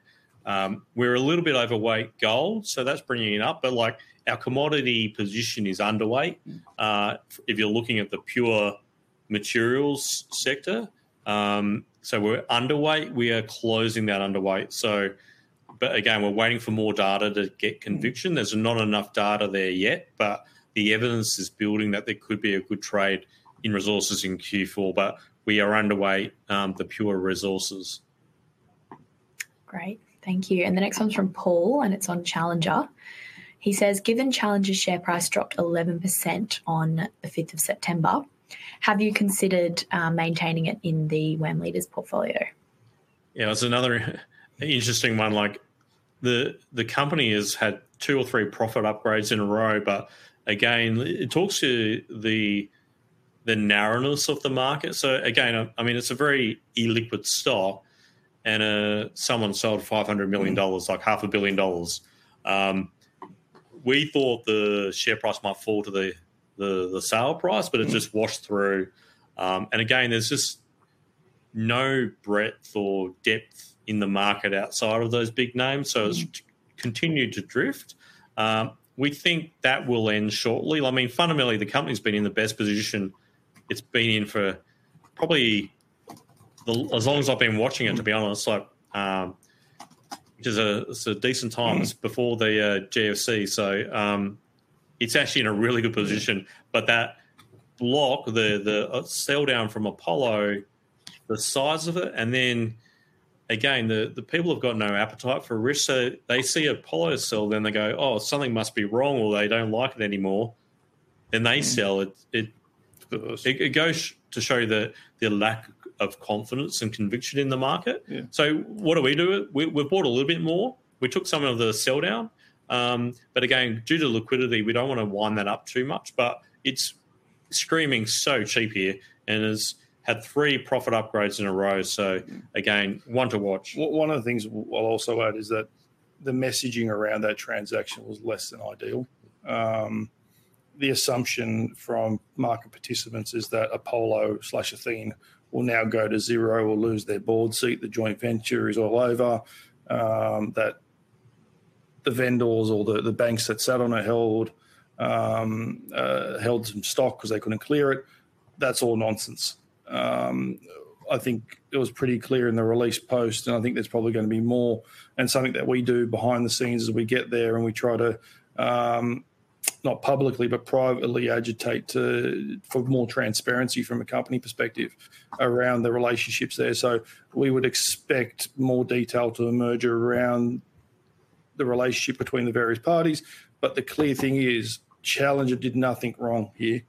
We're a little bit overweight gold, so that's bringing it up. But, like, our commodity position is underweight. Mm. If you're looking at the pure materials sector, so we're underweight. We are closing that underweight. But again, we're waiting for more data to get conviction. Mm. There's not enough data there yet, but the evidence is building that there could be a good trade in resources in Q4, but we are underweight, the pure resources. Great, thank you, and the next one's from Paul, and it's on Challenger. He says: "Given Challenger's share price dropped 11% on the fifth of September, have you considered maintaining it in the WAM Leaders portfolio? Yeah, it's another interesting one. Like, the company has had two or three profit upgrades in a row, but again, it talks to the narrowness of the market. So again, I mean, it's a very illiquid stock, and someone sold 500 million dollars- Mm... like 500 million dollars. We thought the share price might fall to the sale price- Mm... but it just washed through. And again, there's just no breadth or depth in the market outside of those big names- Mm... so it's continued to drift. We think that will end shortly. I mean, fundamentally, the company's been in the best position it's been in for probably the, as long as I've been watching it- Mm... to be honest. Like, which is a, so decent times- Mm... before the GFC. So, it's actually in a really good position. But that block, the sell down from Apollo, the size of it, and then again, the people have got no appetite for risk, so they see Apollo sell, then they go, "Oh, something must be wrong," or, "They don't like it anymore," then they sell. Mm. It, it- Of course... it goes to show the lack of confidence and conviction in the market. Yeah. So what are we doing? We bought a little bit more. We took some of the sell down. But again, due to liquidity, we don't want to wind that up too much, but it's screaming so cheap here and has had three profit upgrades in a row, so again, one to watch. One of the things I'll also add is that the messaging around that transaction was less than ideal. The assumption from market participants is that Apollo/Athene will now go to Xero or lose their board seat, the joint venture is all over. That the vendors or the banks that sat on a hold held some stock 'cause they couldn't clear it. That's all nonsense. I think it was pretty clear in the release post, and I think there's probably going to be more, and something that we do behind the scenes is we get there, and we try to, not publicly, but privately agitate to, for more transparency from a company perspective around the relationships there. So we would expect more detail to emerge around the relationship between the various parties. But the clear thing is, Challenger did nothing wrong here.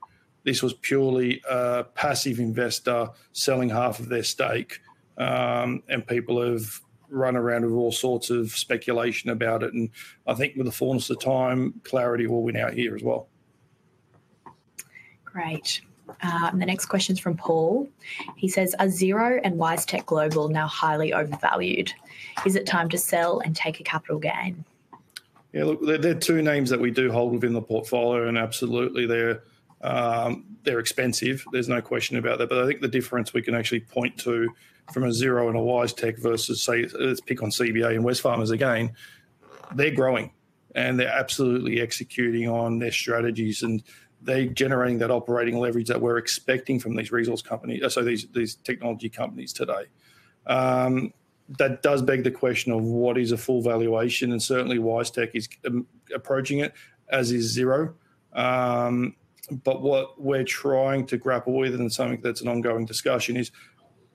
This was purely a passive investor selling half of their stake, and people have run around with all sorts of speculation about it, and I think with the fullness of time, clarity will win out here as well. Great. And the next question is from Paul. He says: "Are Xero and WiseTech Global now highly overvalued? Is it time to sell and take a capital gain? Yeah, look, they're two names that we do hold within the portfolio, and absolutely they're expensive, there's no question about that. But I think the difference we can actually point to from Xero and WiseTech versus, say, let's pick on CBA and Wesfarmers again, they're growing, and they're absolutely executing on their strategies, and they're generating that operating leverage that we're expecting from these technology companies today. That does beg the question of what is a full valuation, and certainly WiseTech is approaching it, as is Xero. But what we're trying to grapple with, and something that's an ongoing discussion, is: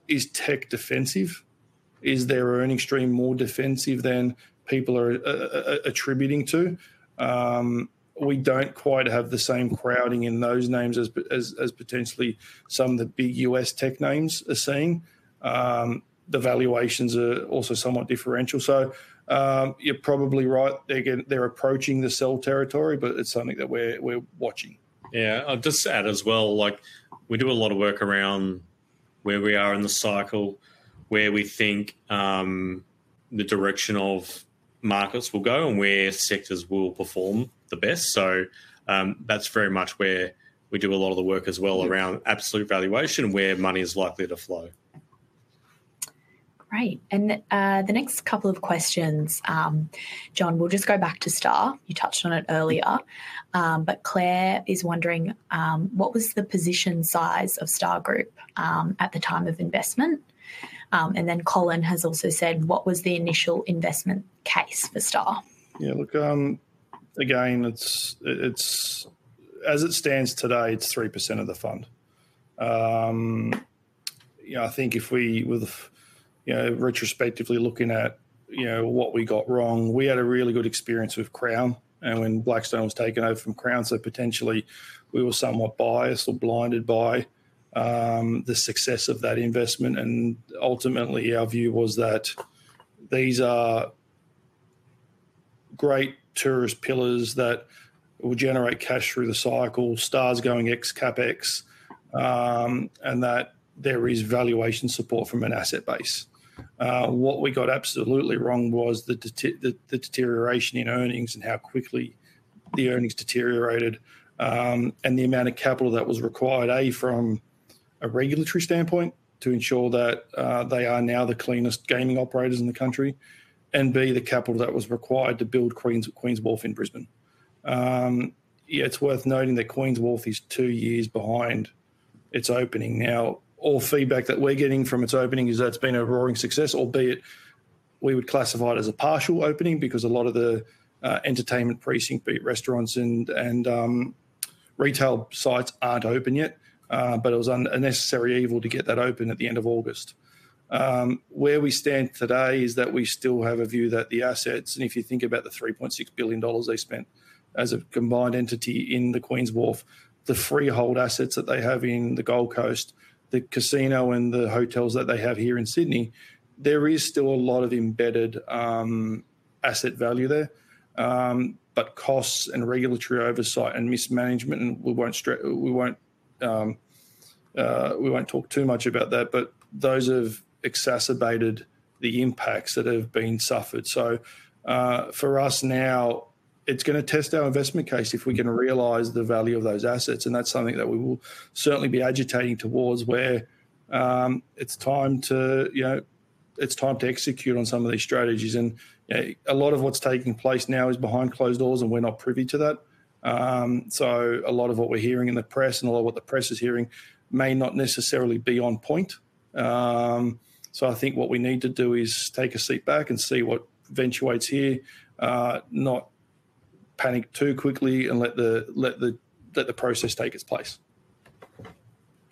Is tech defensive? Is their earning stream more defensive than people are attributing to? We don't quite have the same crowding in those names as potentially some of the big U.S. tech names are seeing. The valuations are also somewhat differential. You're probably right, they're approaching the sell territory, but it's something that we're watching.... Yeah, I'll just add as well, like, we do a lot of work around where we are in the cycle, where we think the direction of markets will go, and where sectors will perform the best. So, that's very much where we do a lot of the work as well, around absolute valuation, where money is likely to flow. Great! And, the next couple of questions, John, we'll just go back to Star Entertainment. You touched on it earlier. But Claire is wondering: "What was the position size of Star Entertainment Group at the time of investment?" And then Colin has also said: "What was the initial investment case for Star Entertainment? Yeah, look, again, it's as it stands today, it's 3% of the fund. Yeah, I think if we, with, you know, retrospectively looking at, you know, what we got wrong, we had a really good experience with Crown, and when Blackstone was taken over from Crown, so potentially we were somewhat biased or blinded by the success of that investment. And ultimately, our view was that these are great tourist pillars that will generate cash through the cycle. Star's going ex CapEx, and that there is valuation support from an asset base. What we got absolutely wrong was the deterioration in earnings, and how quickly the earnings deteriorated, and the amount of capital that was required, A, from a regulatory standpoint, to ensure that they are now the cleanest gaming operators in the country, and, B, the capital that was required to build Queens Wharf in Brisbane. Yeah, it's worth noting that Queens Wharf is two years behind its opening. Now, all feedback that we're getting from its opening is that it's been a roaring success, albeit we would classify it as a partial opening, because a lot of the entertainment precinct, be it restaurants and retail sites, aren't open yet. But it was a necessary evil to get that open at the end of August. Where we stand today is that we still have a view that the assets, and if you think about the 3.6 billion dollars they spent as a combined entity in the Queens Wharf, the freehold assets that they have in the Gold Coast, the casino, and the hotels that they have here in Sydney, there is still a lot of embedded asset value there. But costs, and regulatory oversight, and mismanagement, and we won't talk too much about that, but those have exacerbated the impacts that have been suffered. For us now, it's gonna test our investment case if we're gonna realize the value of those assets, and that's something that we will certainly be agitating towards, where it's time to, you know, it's time to execute on some of these strategies. And, a lot of what's taking place now is behind closed doors, and we're not privy to that. So, a lot of what we're hearing in the press, and a lot of what the press is hearing may not necessarily be on point. So, I think what we need to do is take a seat back and see what eventuates here, not panic too quickly, and let the process take its place.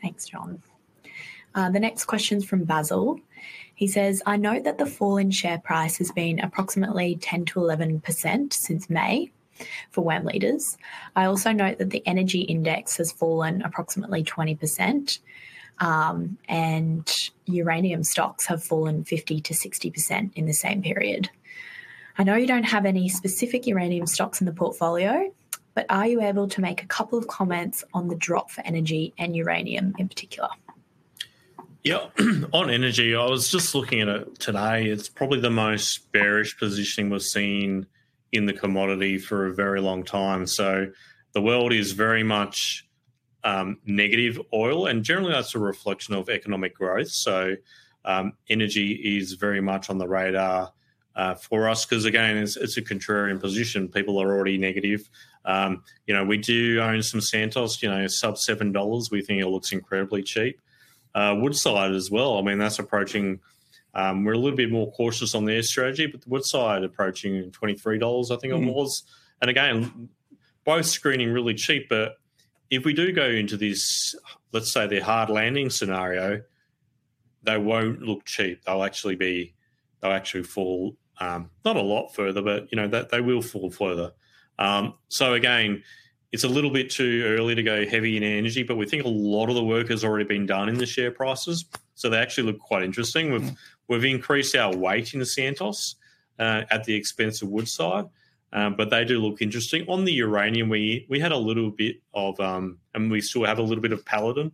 Thanks, John. The next question's from Basil. He says: "I note that the fall in share price has been approximately 10%-11% since May for WAM Leaders. I also note that the energy index has fallen approximately 20%, and uranium stocks have fallen 50%-60% in the same period. I know you don't have any specific uranium stocks in the portfolio, but are you able to make a couple of comments on the drop for energy and uranium in particular? Yeah. On energy, I was just looking at it today. It's probably the most bearish positioning we've seen in the commodity for a very long time. So the world is very much negative oil, and generally that's a reflection of economic growth. So energy is very much on the radar for us, 'cause again, it's a contrarian position. People are already negative. You know, we do own some Santos, you know, sub 7 dollars. We think it looks incredibly cheap. Woodside as well, I mean, that's approaching. We're a little bit more cautious on their strategy, but Woodside approaching 23 dollars, I think it was. And again, both screening really cheap, but if we do go into this, let's say, the hard landing scenario, they won't look cheap. They'll actually fall, not a lot further, but, you know, they will fall further, so again, it's a little bit too early to go heavy in energy, but we think a lot of the work has already been done in the share prices, so they actually look quite interesting. We've increased our weight in the Santos, at the expense of Woodside, but they do look interesting. On the uranium, we had a little bit of, and we still have a little bit of Paladin,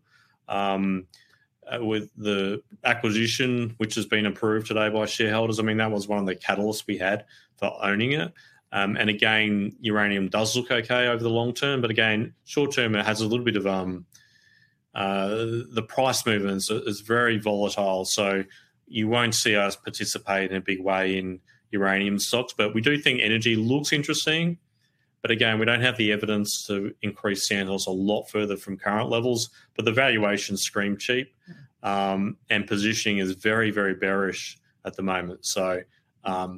with the acquisition, which has been approved today by shareholders. I mean, that was one of the catalysts we had for owning it. And again, uranium does look okay over the long term, but again, short term, it has a little bit of, the price movement is very volatile, so you won't see us participate in a big way in uranium stocks. But we do think energy looks interesting, but again, we don't have the evidence to increase Santos a lot further from current levels, but the valuations scream cheap. Mm. and positioning is very, very bearish at the moment. So, yeah,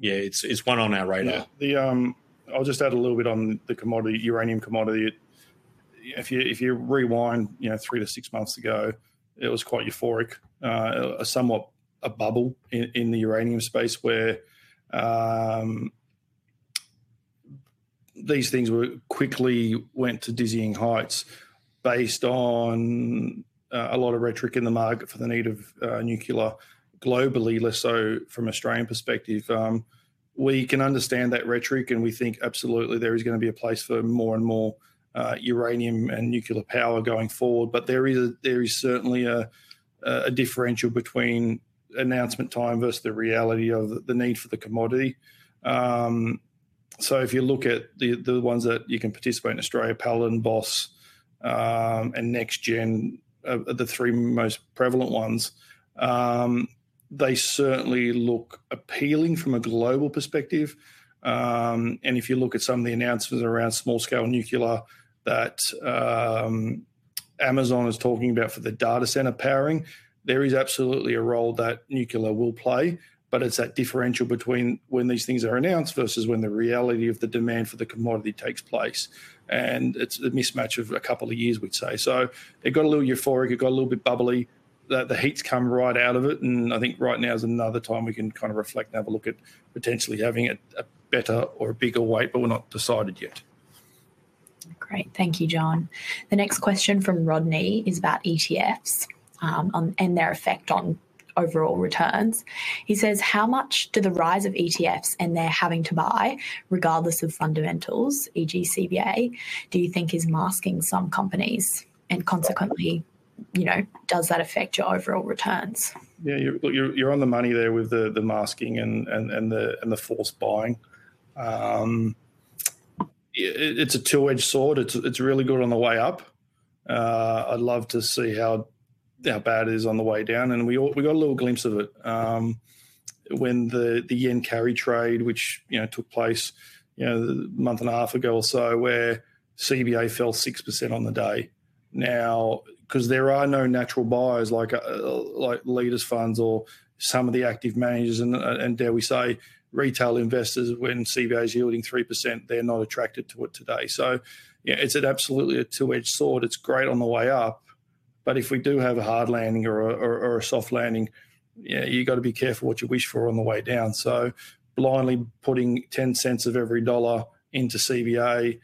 it's one on our radar. Yeah, the, I'll just add a little bit on the commodity, uranium commodity. If you rewind, you know, three to six months ago, it was quite euphoric, a somewhat a bubble in the uranium space, where these things were quickly went to dizzying heights. Based on a lot of rhetoric in the market for the need of nuclear globally, less so from Australian perspective. We can understand that rhetoric, and we think absolutely there is gonna be a place for more and more uranium and nuclear power going forward. But there is certainly a differential between announcement time versus the reality of the need for the commodity. So if you look at the ones that you can participate in Australia, Paladin, Boss, and NexGen are the three most prevalent ones. They certainly look appealing from a global perspective and if you look at some of the announcements around small-scale nuclear that Amazon is talking about for the data center powering, there is absolutely a role that nuclear will play, but it's that differential between when these things are announced versus when the reality of the demand for the commodity takes place, and it's a mismatch of a couple of years, we'd say so it got a little euphoric. It got a little bit bubbly. The heat's come right out of it, and I think right now is another time we can kind of reflect and have a look at potentially having a better or a bigger weight, but we're not decided yet. Great. Thank you, John. The next question from Rodney is about ETFs and their effect on overall returns. He says: "How much do the rise of ETFs and their having to buy, regardless of fundamentals, e.g., CBA, do you think is masking some companies? And consequently, you know, does that affect your overall returns? Yeah, you're on the money there with the masking and the forced buying. It's a two-edged sword. It's really good on the way up. I'd love to see how bad it is on the way down, and we all... We got a little glimpse of it when the yen carry trade, which you know took place you know a month and a half ago or so, where CBA fell 6% on the day. Now, 'cause there are no natural buyers, like Leaders funds or some of the active managers and dare we say retail investors, when CBA's yielding 3%, they're not attracted to it today. So, yeah, it's absolutely a two-edged sword. It's great on the way up, but if we do have a hard landing or a soft landing, yeah, you've got to be careful what you wish for on the way down. So blindly putting ten cents of every dollar into CBA,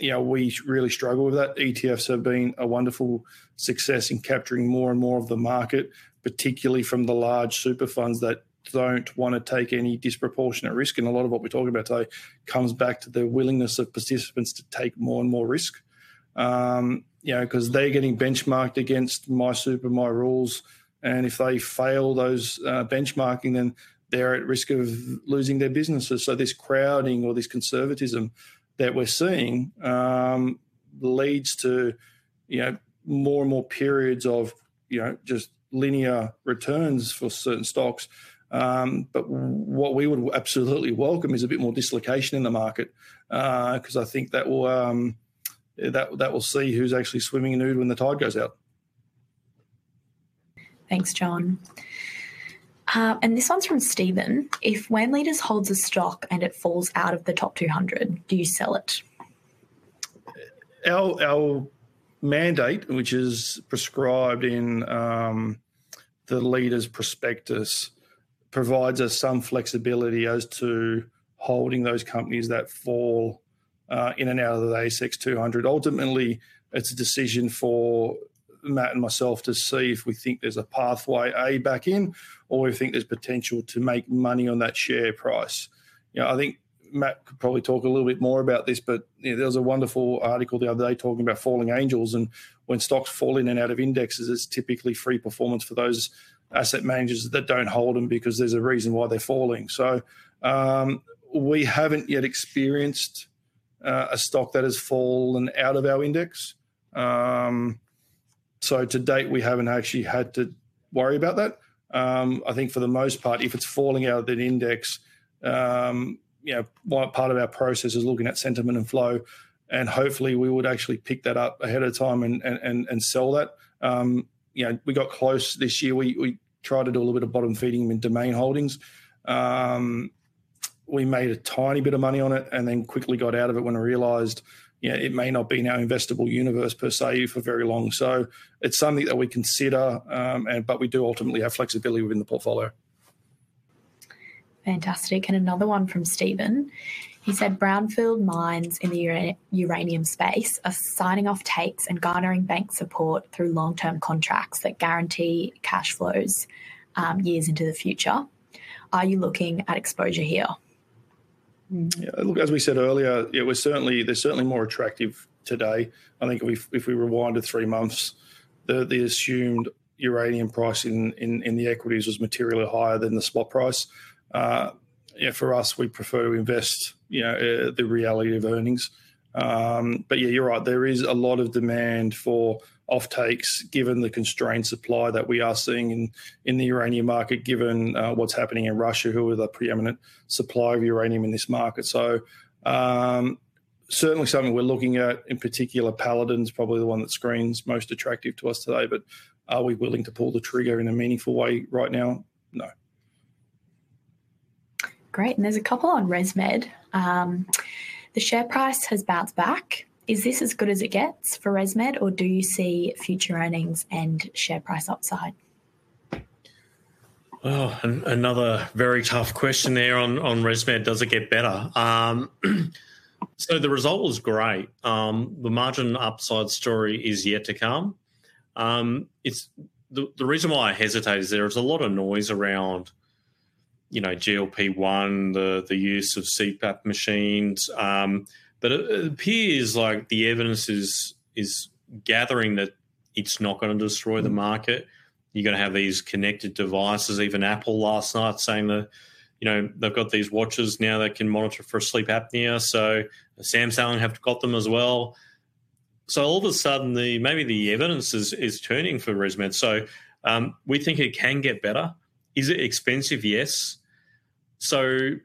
you know, we really struggle with that. ETFs have been a wonderful success in capturing more and more of the market, particularly from the large super funds that don't want to take any disproportionate risk, and a lot of what we're talking about today comes back to the willingness of participants to take more and more risk. You know, 'cause they're getting benchmarked against MySuper, MyRules, and if they fail those benchmarking, then they're at risk of losing their businesses. So this crowding or this conservatism that we're seeing leads to, you know, more and more periods of, you know, just linear returns for certain stocks. But what we would absolutely welcome is a bit more dislocation in the market, 'cause I think that will see who's actually swimming naked when the tide goes out. Thanks, John. And this one's from Stephen: If WAM Leaders holds a stock and it falls out of the top 200, do you sell it? Our mandate, which is prescribed in the Leaders' prospectus, provides us some flexibility as to holding those companies that fall in and out of the ASX 200. Ultimately, it's a decision for Matt and myself to see if we think there's a pathway back in, or we think there's potential to make money on that share price. You know, I think Matt could probably talk a little bit more about this, but you know, there was a wonderful article the other day talking about falling angels, and when stocks fall in and out of indexes, it's typically free performance for those asset managers that don't hold them because there's a reason why they're falling. We haven't yet experienced a stock that has fallen out of our index. So to date, we haven't actually had to worry about that. I think for the most part, if it's falling out of that index, you know, part of our process is looking at sentiment and flow, and hopefully, we would actually pick that up ahead of time and sell that. You know, we got close this year. We tried to do a little bit of bottom-feeding with Domain Holdings. We made a tiny bit of money on it and then quickly got out of it when I realized, you know, it may not be in our investable universe per se for very long. So it's something that we consider, and but we do ultimately have flexibility within the portfolio. Fantastic. And another one from Stephen. He said: "Brownfield mines in the uranium space are signing off takes and garnering bank support through long-term contracts that guarantee cash flows years into the future. Are you looking at exposure here? Yeah, look, as we said earlier, it was certainly... they're certainly more attractive today. I think if we rewind it three months, the assumed uranium price in the equities was materially higher than the spot price. Yeah, for us, we prefer to invest, you know, the reality of earnings. But yeah, you're right, there is a lot of demand for offtakes, given the constrained supply that we are seeing in the uranium market, given what's happening in Russia, who are the preeminent supplier of uranium in this market. So, certainly something we're looking at, in particular, Paladin's probably the one that screens most attractive to us today, but are we willing to pull the trigger in a meaningful way right now? No. Great, and there's a couple on ResMed. The share price has bounced back. Is this as good as it gets for ResMed, or do you see future earnings and share price upside?... Oh, another very tough question there on ResMed, does it get better? So the result was great. The margin upside story is yet to come. It's the reason why I hesitate is there is a lot of noise around, you know, GLP-1, the use of CPAP machines. But it appears like the evidence is gathering that it's not gonna destroy the market. You're gonna have these connected devices. Even Apple last night saying that, you know, they've got these watches now that can monitor for sleep apnea, so Samsung have got them as well. So all of a sudden, maybe the evidence is turning for ResMed. So we think it can get better. Is it expensive? Yes. So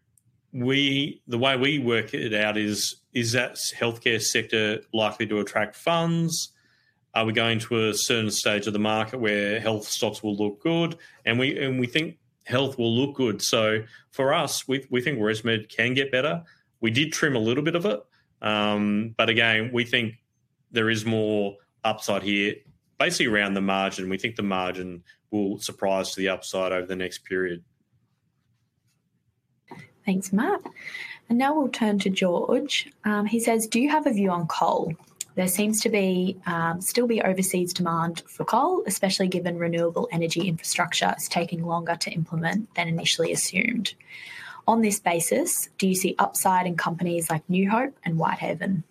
we, the way we work it out is that healthcare sector likely to attract funds? Are we going to a certain stage of the market where health stocks will look good? And we think health will look good. So for us, we think ResMed can get better. We did trim a little bit of it, but again, we think there is more upside here, basically around the margin. We think the margin will surprise to the upside over the next period. Thanks, Matt. And now we'll turn to George. He says: "Do you have a view on coal? There seems to be still overseas demand for coal, especially given renewable energy infrastructure is taking longer to implement than initially assumed. On this basis, do you see upside in companies like New Hope and Whitehaven?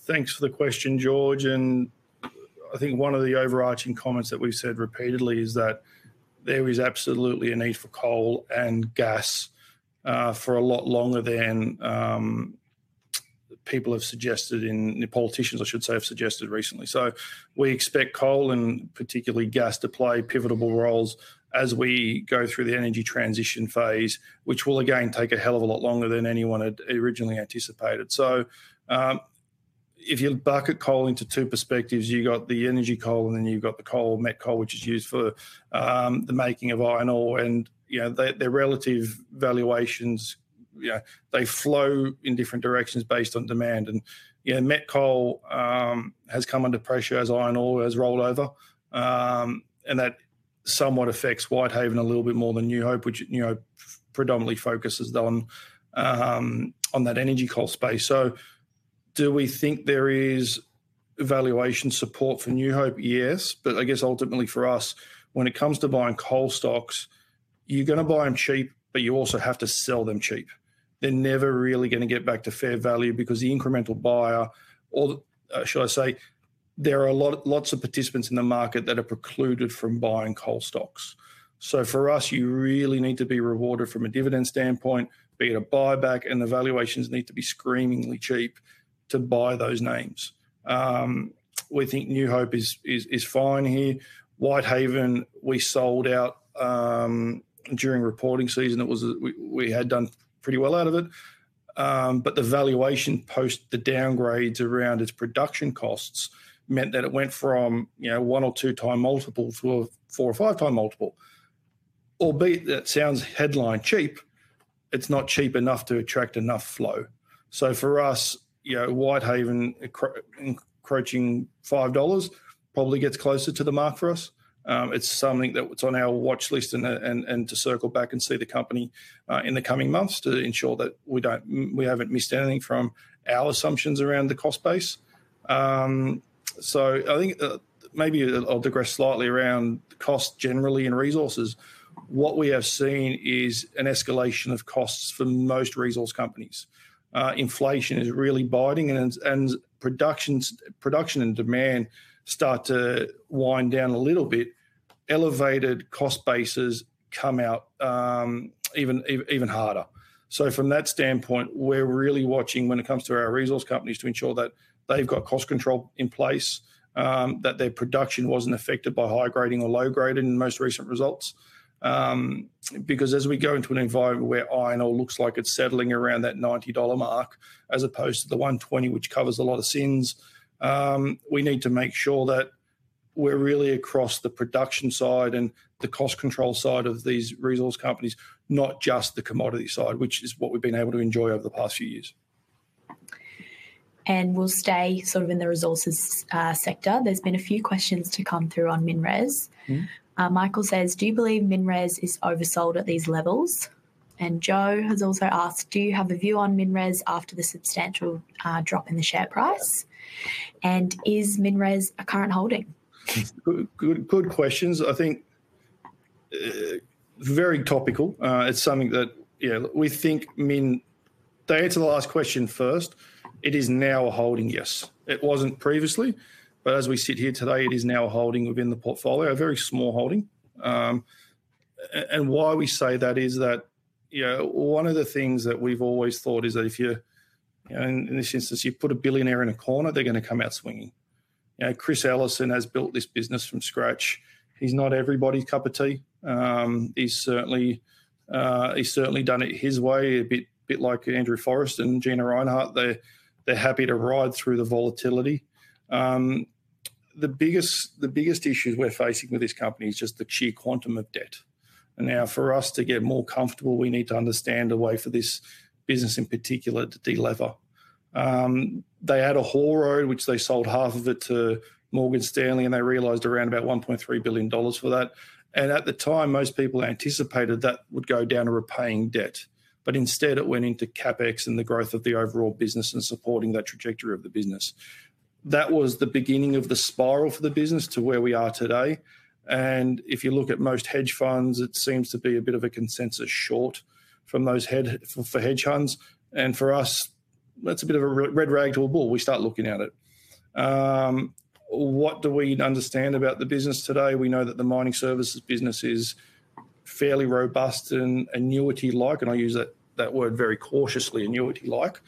Thanks for the question, George, and I think one of the overarching comments that we've said repeatedly is that there is absolutely a need for coal and gas for a lot longer than people have suggested. Politicians, I should say, have suggested recently. We expect coal and particularly gas to play pivotable roles as we go through the energy transition phase, which will again take a hell of a lot longer than anyone had originally anticipated. If you bucket coal into two perspectives, you've got the energy coal, and then you've got the coal, met coal, which is used for the making of iron ore. And, you know, their relative valuations, yeah, they flow in different directions based on demand. And, you know, met coal has come under pressure as iron ore has rolled over. And that somewhat affects Whitehaven a little bit more than New Hope, which, you know, predominantly focuses on that energy coal space. So do we think there is valuation support for New Hope? Yes, but I guess ultimately for us, when it comes to buying coal stocks, you're gonna buy them cheap, but you also have to sell them cheap. They're never really gonna get back to fair value because the incremental buyer, or should I say, there are lots of participants in the market that are precluded from buying coal stocks. So for us, you really need to be rewarded from a dividend standpoint, be it a buyback, and the valuations need to be screamingly cheap to buy those names. We think New Hope is fine here. Whitehaven, we sold out during reporting season. It was, we had done pretty well out of it. But the valuation post the downgrades around its production costs meant that it went from, you know, one or two time multiples to a four or five time multiple. Albeit that sounds headline cheap, it's not cheap enough to attract enough flow. So for us, you know, Whitehaven encroaching 5 dollars probably gets closer to the mark for us. It's something that's on our watchlist and to circle back and see the company in the coming months to ensure that we haven't missed anything from our assumptions around the cost base. So I think maybe I'll digress slightly around cost generally and resources. What we have seen is an escalation of costs for most resource companies. Inflation is really biting, and production and demand start to wind down a little bit. Elevated cost bases come out even harder, so from that standpoint, we're really watching when it comes to our resource companies to ensure that they've got cost control in place, that their production wasn't affected by high grading or low grading in most recent results. Because as we go into an environment where iron ore looks like it's settling around that $90 mark, as opposed to the $120, which covers a lot of sins, we need to make sure that we're really across the production side and the cost control side of these resource companies, not just the commodity side, which is what we've been able to enjoy over the past few years. We'll stay sort of in the resources sector. There's been a few questions to come through on MinRes. Mm-hmm. Michael says: "Do you believe MinRes is oversold at these levels?" And Joe has also asked: "Do you have a view on MinRes after the substantial, drop in the share price? And is MinRes a current holding? Good, good questions. I think very topical. It's something that, you know, we think. To answer the last question first, it is now a holding, yes. It wasn't previously, but as we sit here today, it is now a holding within the portfolio, a very small holding. And why we say that is that, you know, one of the things that we've always thought is that if you, you know, in this instance, you put a billionaire in a corner, they're gonna come out swinging. You know, Chris Ellison has built this business from scratch. He's not everybody's cup of tea. He's certainly done it his way, a bit like Andrew Forrest and Gina Rinehart. They're happy to ride through the volatility. The biggest issues we're facing with this company is just the sheer quantum of debt. Now, for us to get more comfortable, we need to understand a way for this business, in particular, to de-lever. They had a Haul Road, which they sold half of it to Morgan Stanley, and they realized around 1.3 billion dollars for that. At the time, most people anticipated that would go down to repaying debt, but instead it went into CapEx, and the growth of the overall business, and supporting that trajectory of the business. That was the beginning of the spiral for the business to where we are today, and if you look at most hedge funds, it seems to be a bit of a consensus short from those hedge funds. And for us, that's a bit of a red rag to a bull. We start looking at it. What do we understand about the business today? We know that the mining services business is fairly robust and annuity-like, and I use that word very cautiously, "annuity-like."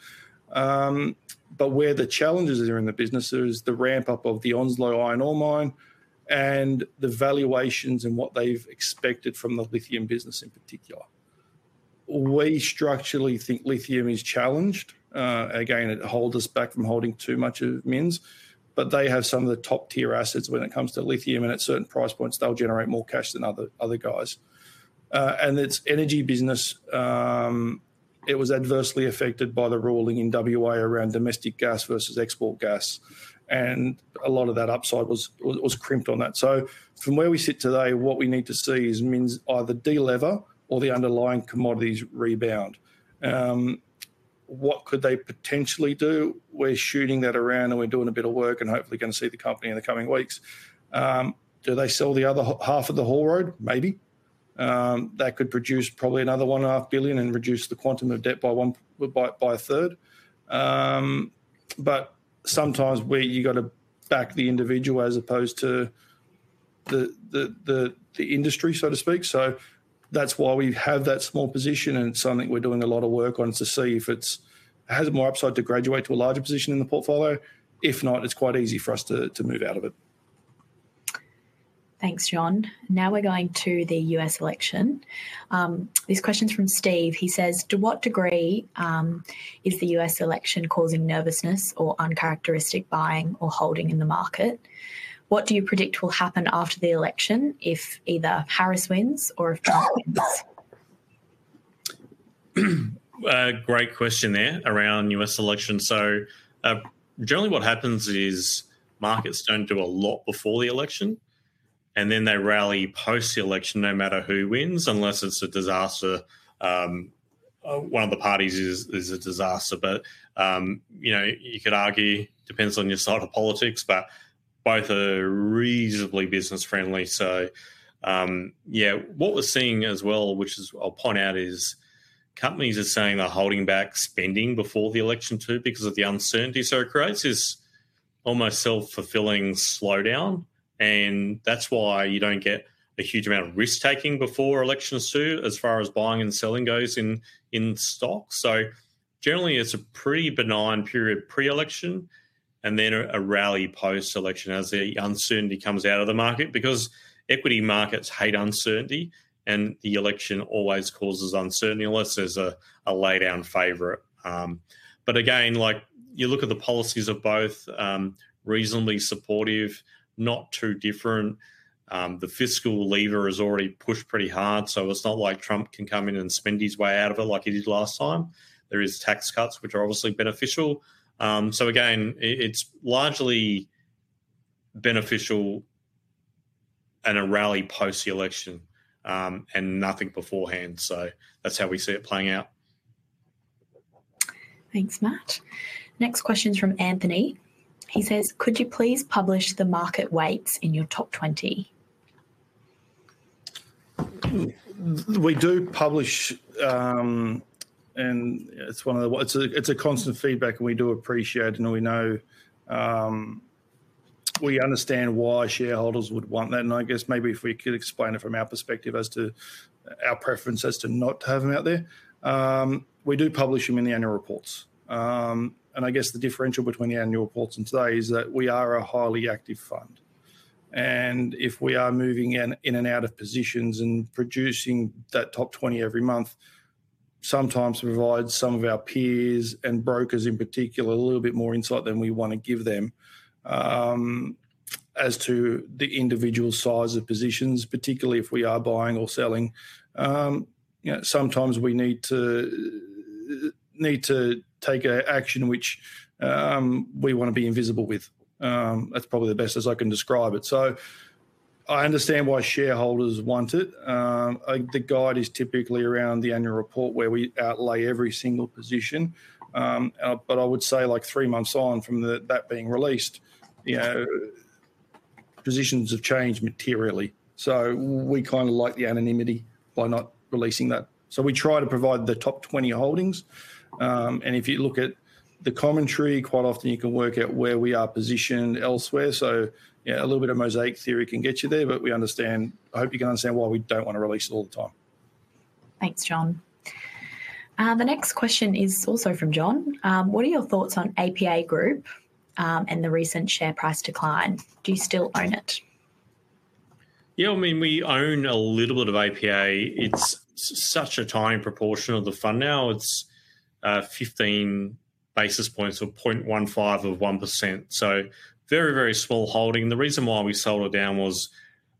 But where the challenges are in the business is the ramp-up of the Onslow iron ore mine and the valuations, and what they've expected from the lithium business in particular. We structurally think lithium is challenged. Again, it holds us back from holding too much of MinRes, but they have some of the top-tier assets when it comes to lithium, and at certain price points, they'll generate more cash than other guys. and its energy business, it was adversely affected by the ruling in WA around domestic gas versus export gas, and a lot of that upside was crimped on that. So from where we sit today, what we need to see is MinRes either delever or the underlying commodities rebound. What could they potentially do? We're shooting that around, and we're doing a bit of work, and hopefully gonna see the company in the coming weeks. Do they sell the other half of the Haul Road? Maybe. That could produce probably another 1.5 billion and reduce the quantum of debt by one third. But sometimes you gotta back the individual as opposed to the industry, so to speak. So that's why we have that small position, and it's something we're doing a lot of work on to see if it has more upside to graduate to a larger position in the portfolio. If not, it's quite easy for us to move out of it. Thanks, John. Now we're going to the U.S. election. This question's from Steve. He says: "To what degree is the U.S. election causing nervousness or uncharacteristic buying or holding in the market? What do you predict will happen after the election if either Harris wins or if Trump wins? A great question there around U.S. election. So, generally what happens is, markets don't do a lot before the election, and then they rally post the election, no matter who wins, unless it's a disaster. One of the parties is a disaster, but, you know, you could argue, depends on your side of politics, but both are reasonably business-friendly. So, what we're seeing as well, which is... I'll point out, is companies are saying they're holding back spending before the election, too, because of the uncertainty so it creates, is almost self-fulfilling slowdown, and that's why you don't get a huge amount of risk-taking before elections, too, as far as buying and selling goes in stock. So generally, it's a pretty benign period pre-election, and then a rally post-election as the uncertainty comes out of the market, because equity markets hate uncertainty, and the election always causes uncertainty unless there's a lay down favorite. But again, like, you look at the policies of both, reasonably supportive, not too different. The fiscal lever is already pushed pretty hard, so it's not like Trump can come in and spend his way out of it like he did last time. There is tax cuts, which are obviously beneficial. So again, it's largely beneficial and a rally post the election, and nothing beforehand, so that's how we see it playing out. Thanks, Matt. Next question is from Anthony. He says: "Could you please publish the market weights in your top twenty? We do publish, and it's a constant feedback, and we do appreciate it, and we know, we understand why shareholders would want that. I guess maybe if we could explain it from our perspective as to our preference as to not have them out there. We do publish them in the annual reports. I guess the differential between the annual reports and today is that we are a highly active fund, and if we are moving in and out of positions and producing that top 20 every month, sometimes provides some of our peers and brokers in particular, a little bit more insight than we wanna give them. As to the individual size of positions, particularly if we are buying or selling, you know, sometimes we need to take an action which we wanna be invisible with. That's probably the best as I can describe it. So I understand why shareholders want it. The guide is typically around the annual report where we outline every single position. But I would say, like, three months on from that being released, you know, positions have changed materially, so we kind of like the anonymity by not releasing that. So we try to provide the top 20 holdings. And if you look at the commentary, quite often you can work out where we are positioned elsewhere. So yeah, a little bit of mosaic theory can get you there, but we understand... I hope you can understand why we don't want to release it all the time. Thanks, John. The next question is also from John. What are your thoughts on APA Group, and the recent share price decline? Do you still own it?... Yeah, I mean, we own a little bit of APA. It's such a tiny proportion of the fund now. It's 15 basis points, or 0.15 of 1%, so very, very small holding. The reason why we sold it down was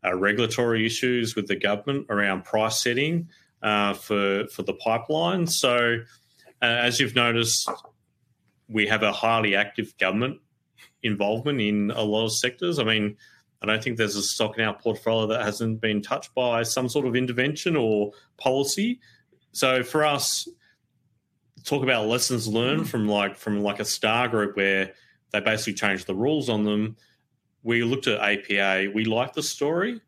regulatory issues with the government around price setting for the pipeline. So, as you've noticed, we have a highly active government involvement in a lot of sectors. I mean, I don't think there's a stock in our portfolio that hasn't been touched by some sort of intervention or policy. So for us, talk about lessons learned from like a Star Group, where they basically changed the rules on them. We looked at APA. We liked the story,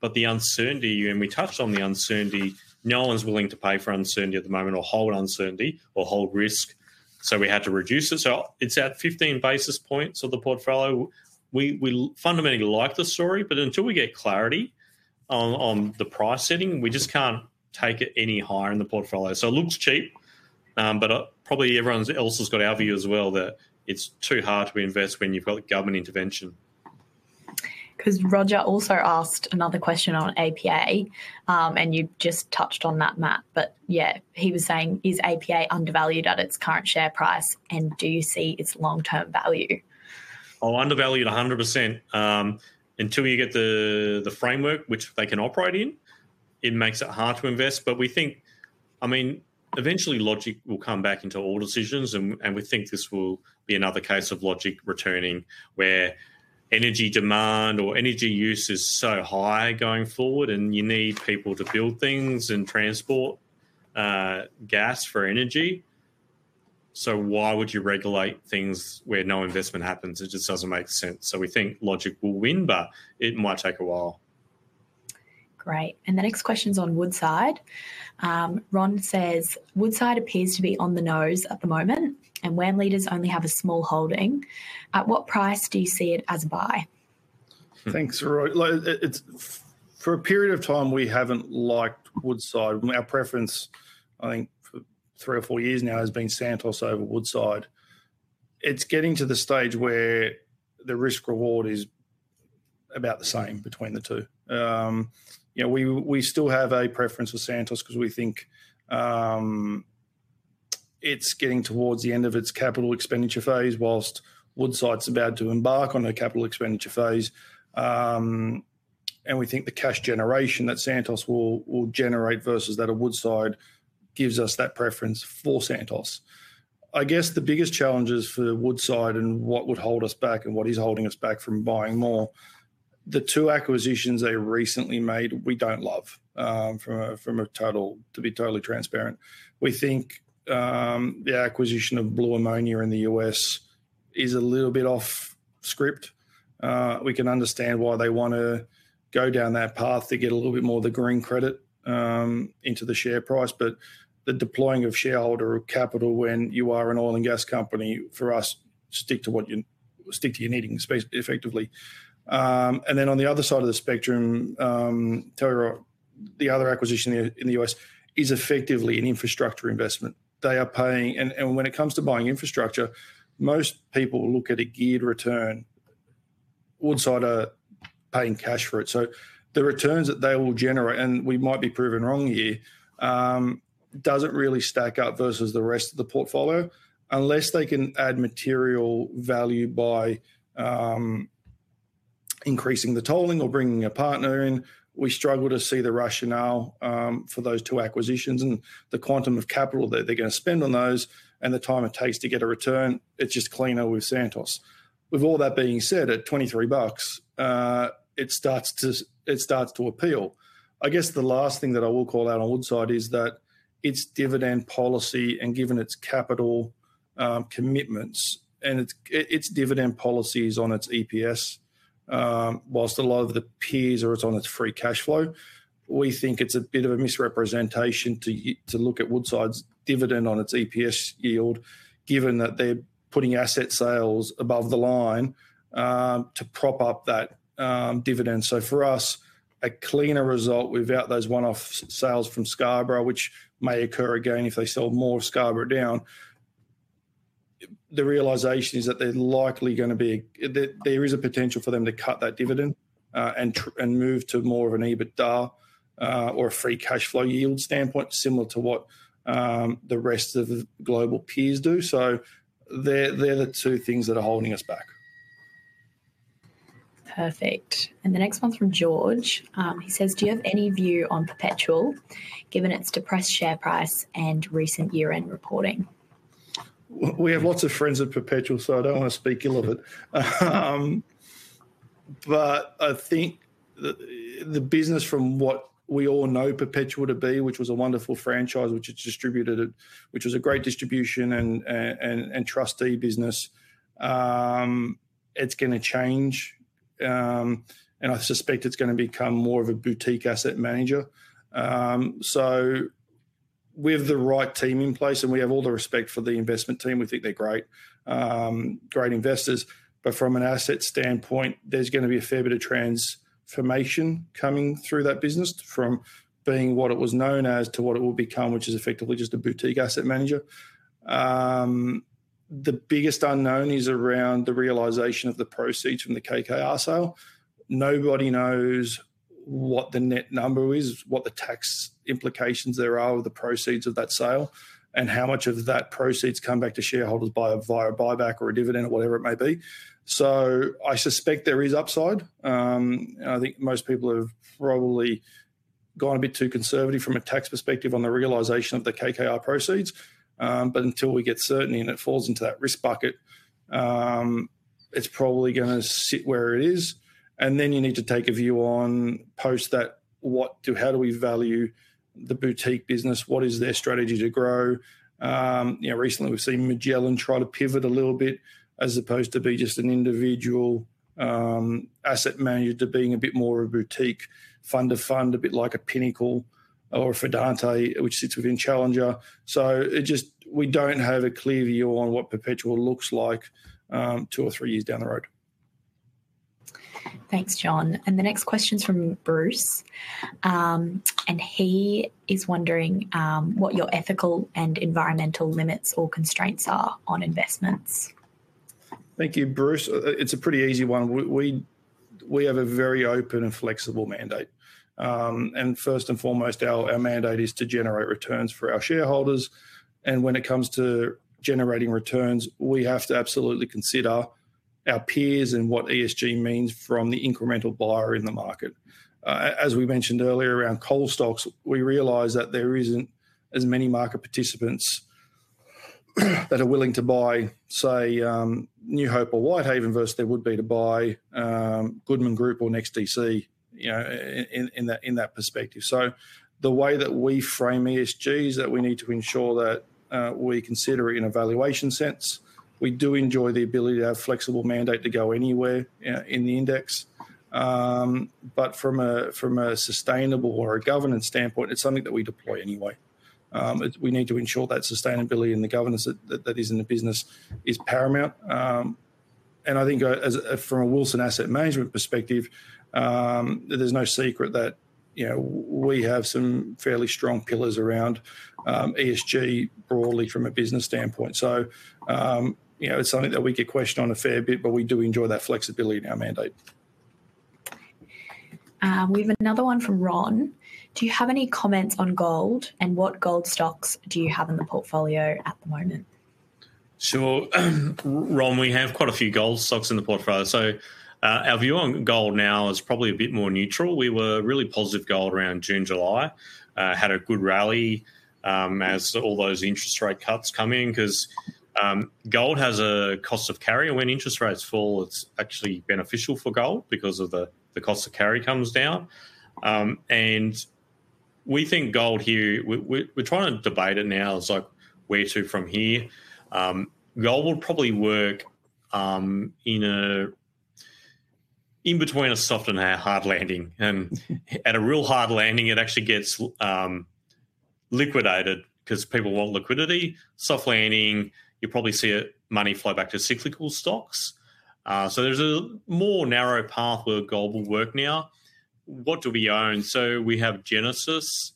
but the uncertainty, and we touched on the uncertainty. No one's willing to pay for uncertainty at the moment or hold uncertainty or hold risk, so we had to reduce it. So it's at fifteen basis points of the portfolio. We fundamentally like the story, but until we get clarity on the price setting, we just can't take it any higher in the portfolio. So it looks cheap, but probably everyone else has got our view as well, that it's too hard to invest when you've got government intervention. 'Cause Roger also asked another question on APA, and you just touched on that, Matt, but yeah, he was saying: "Is APA undervalued at its current share price, and do you see its long-term value? Oh, undervalued 100%. Until you get the framework which they can operate in, it makes it hard to invest. But we think, I mean, eventually, logic will come back into all decisions, and we think this will be another case of logic returning, where energy demand or energy use is so high going forward, and you need people to build things and transport gas for energy. So why would you regulate things where no investment happens? It just doesn't make sense. So we think logic will win, but it might take a while. Great, and the next question's on Woodside. Ron says: "Woodside appears to be on the nose at the moment, and when leaders only have a small holding, at what price do you see it as buy? Thanks, Roy. Like, it's for a period of time, we haven't liked Woodside. Our preference, I think, for three or four years now has been Santos over Woodside. It's getting to the stage where the risk-reward is about the same between the two. You know, we still have a preference for Santos 'cause we think it's getting towards the end of its capital expenditure phase, whilst Woodside's about to embark on a capital expenditure phase. We think the cash generation that Santos will generate versus that of Woodside gives us that preference for Santos. I guess the biggest challenges for Woodside and what would hold us back and what is holding us back from buying more, the two acquisitions they recently made, we don't love, from a total... to be totally transparent. We think the acquisition of Blue Ammonia in the U.S. is a little bit off script. We can understand why they wanna go down that path to get a little bit more of the green credit into the share price, but the deploying of shareholder capital when you are an oil and gas company, for us, stick to what you stick to your knitting, space effectively. And then on the other side of the spectrum, Tellur, the other acquisition in the U.S. is effectively an infrastructure investment. And when it comes to buying infrastructure, most people look at a geared return. Woodside are paying cash for it, so the returns that they will generate, and we might be proven wrong here, doesn't really stack up versus the rest of the portfolio. Unless they can add material value by increasing the tolling or bringing a partner in, we struggle to see the rationale for those two acquisitions and the quantum of capital that they're gonna spend on those and the time it takes to get a return. It's just cleaner with Santos. With all that being said, at $23, it starts to appeal. I guess the last thing that I will call out on Woodside is that its dividend policy, and given its capital commitments, and its dividend policy is on its EPS, while a lot of the peers are, it's on its free cash flow. We think it's a bit of a misrepresentation to look at Woodside's dividend on its EPS yield, given that they're putting asset sales above the line to prop up that dividend. So for us, a cleaner result without those one-off sales from Scarborough, which may occur again if they sell more of Scarborough down. The realization is that there is a potential for them to cut that dividend and move to more of an EBITDA or a free cash flow yield standpoint, similar to what the rest of the global peers do. So they're the two things that are holding us back. Perfect, and the next one's from George. He says: "Do you have any view on Perpetual, given its depressed share price and recent year-end reporting? We have lots of friends at Perpetual, so I don't want to speak ill of it, but I think the business from what we all know Perpetual to be, which was a wonderful franchise, which distributed it, which was a great distribution and trustee business, it's gonna change. And I suspect it's gonna become more of a boutique asset manager. So we have the right team in place, and we have all the respect for the investment team. We think they're great, great investors, but from an asset standpoint, there's gonna be a fair bit of transformation coming through that business from being what it was known as to what it will become, which is effectively just a boutique asset manager. The biggest unknown is around the realization of the proceeds from the KKR sale. Nobody knows what the net number is, what the tax implications there are of the proceeds of that sale, and how much of that proceeds come back to shareholders by a, via a buyback or a dividend or whatever it may be. So I suspect there is upside. And I think most people have probably gone a bit too conservative from a tax perspective on the realization of the KKR proceeds. But until we get certainty, and it falls into that risk bucket, it's probably gonna sit where it is, and then you need to take a view on post that, how do we value the boutique business? What is their strategy to grow? You know, recently we've seen Magellan try to pivot a little bit, as opposed to be just an individual asset manager, to being a bit more of a boutique fund to fund, a bit like a Pinnacle or a Fidante, which sits within Challenger. So it just, we don't have a clear view on what Perpetual looks like, two or three years down the road. Thanks, John, and the next question's from Bruce. And he is wondering what your ethical and environmental limits or constraints are on investments? Thank you, Bruce. It's a pretty easy one. We have a very open and flexible mandate. And first and foremost, our mandate is to generate returns for our shareholders, and when it comes to generating returns, we have to absolutely consider our peers and what ESG means from the incremental buyer in the market. As we mentioned earlier, around coal stocks, we realize that there isn't as many market participants that are willing to buy, say, New Hope or Whitehaven, versus there would be to buy Goodman Group or NextDC, you know, in that perspective. So the way that we frame ESG is that we need to ensure that we consider it in a valuation sense. We do enjoy the ability to have flexible mandate to go anywhere in the index. But from a sustainable or a governance standpoint, it's something that we deploy anyway. We need to ensure that sustainability and the governance that is in the business is paramount. And I think from a Wilson Asset Management perspective, there's no secret that, you know, we have some fairly strong pillars around ESG broadly from a business standpoint. So, you know, it's something that we get questioned on a fair bit, but we do enjoy that flexibility in our mandate. We have another one from Ron. Do you have any comments on gold, and what gold stocks do you have in the portfolio at the moment? Sure. Ron, we have quite a few gold stocks in the portfolio. So, our view on gold now is probably a bit more neutral. We were really positive gold around June, July. Had a good rally, as all those interest rate cuts come in, 'cause gold has a cost of carry, and when interest rates fall, it's actually beneficial for gold because of the cost of carry comes down. And we think gold here... we're trying to debate it now is like, where to from here? Gold will probably work, in between a soft and a hard landing, and at a real hard landing, it actually gets liquidated 'cause people want liquidity. Soft landing, you probably see money flow back to cyclical stocks. So there's a more narrow path where gold will work now. What do we own? So we have Genesis,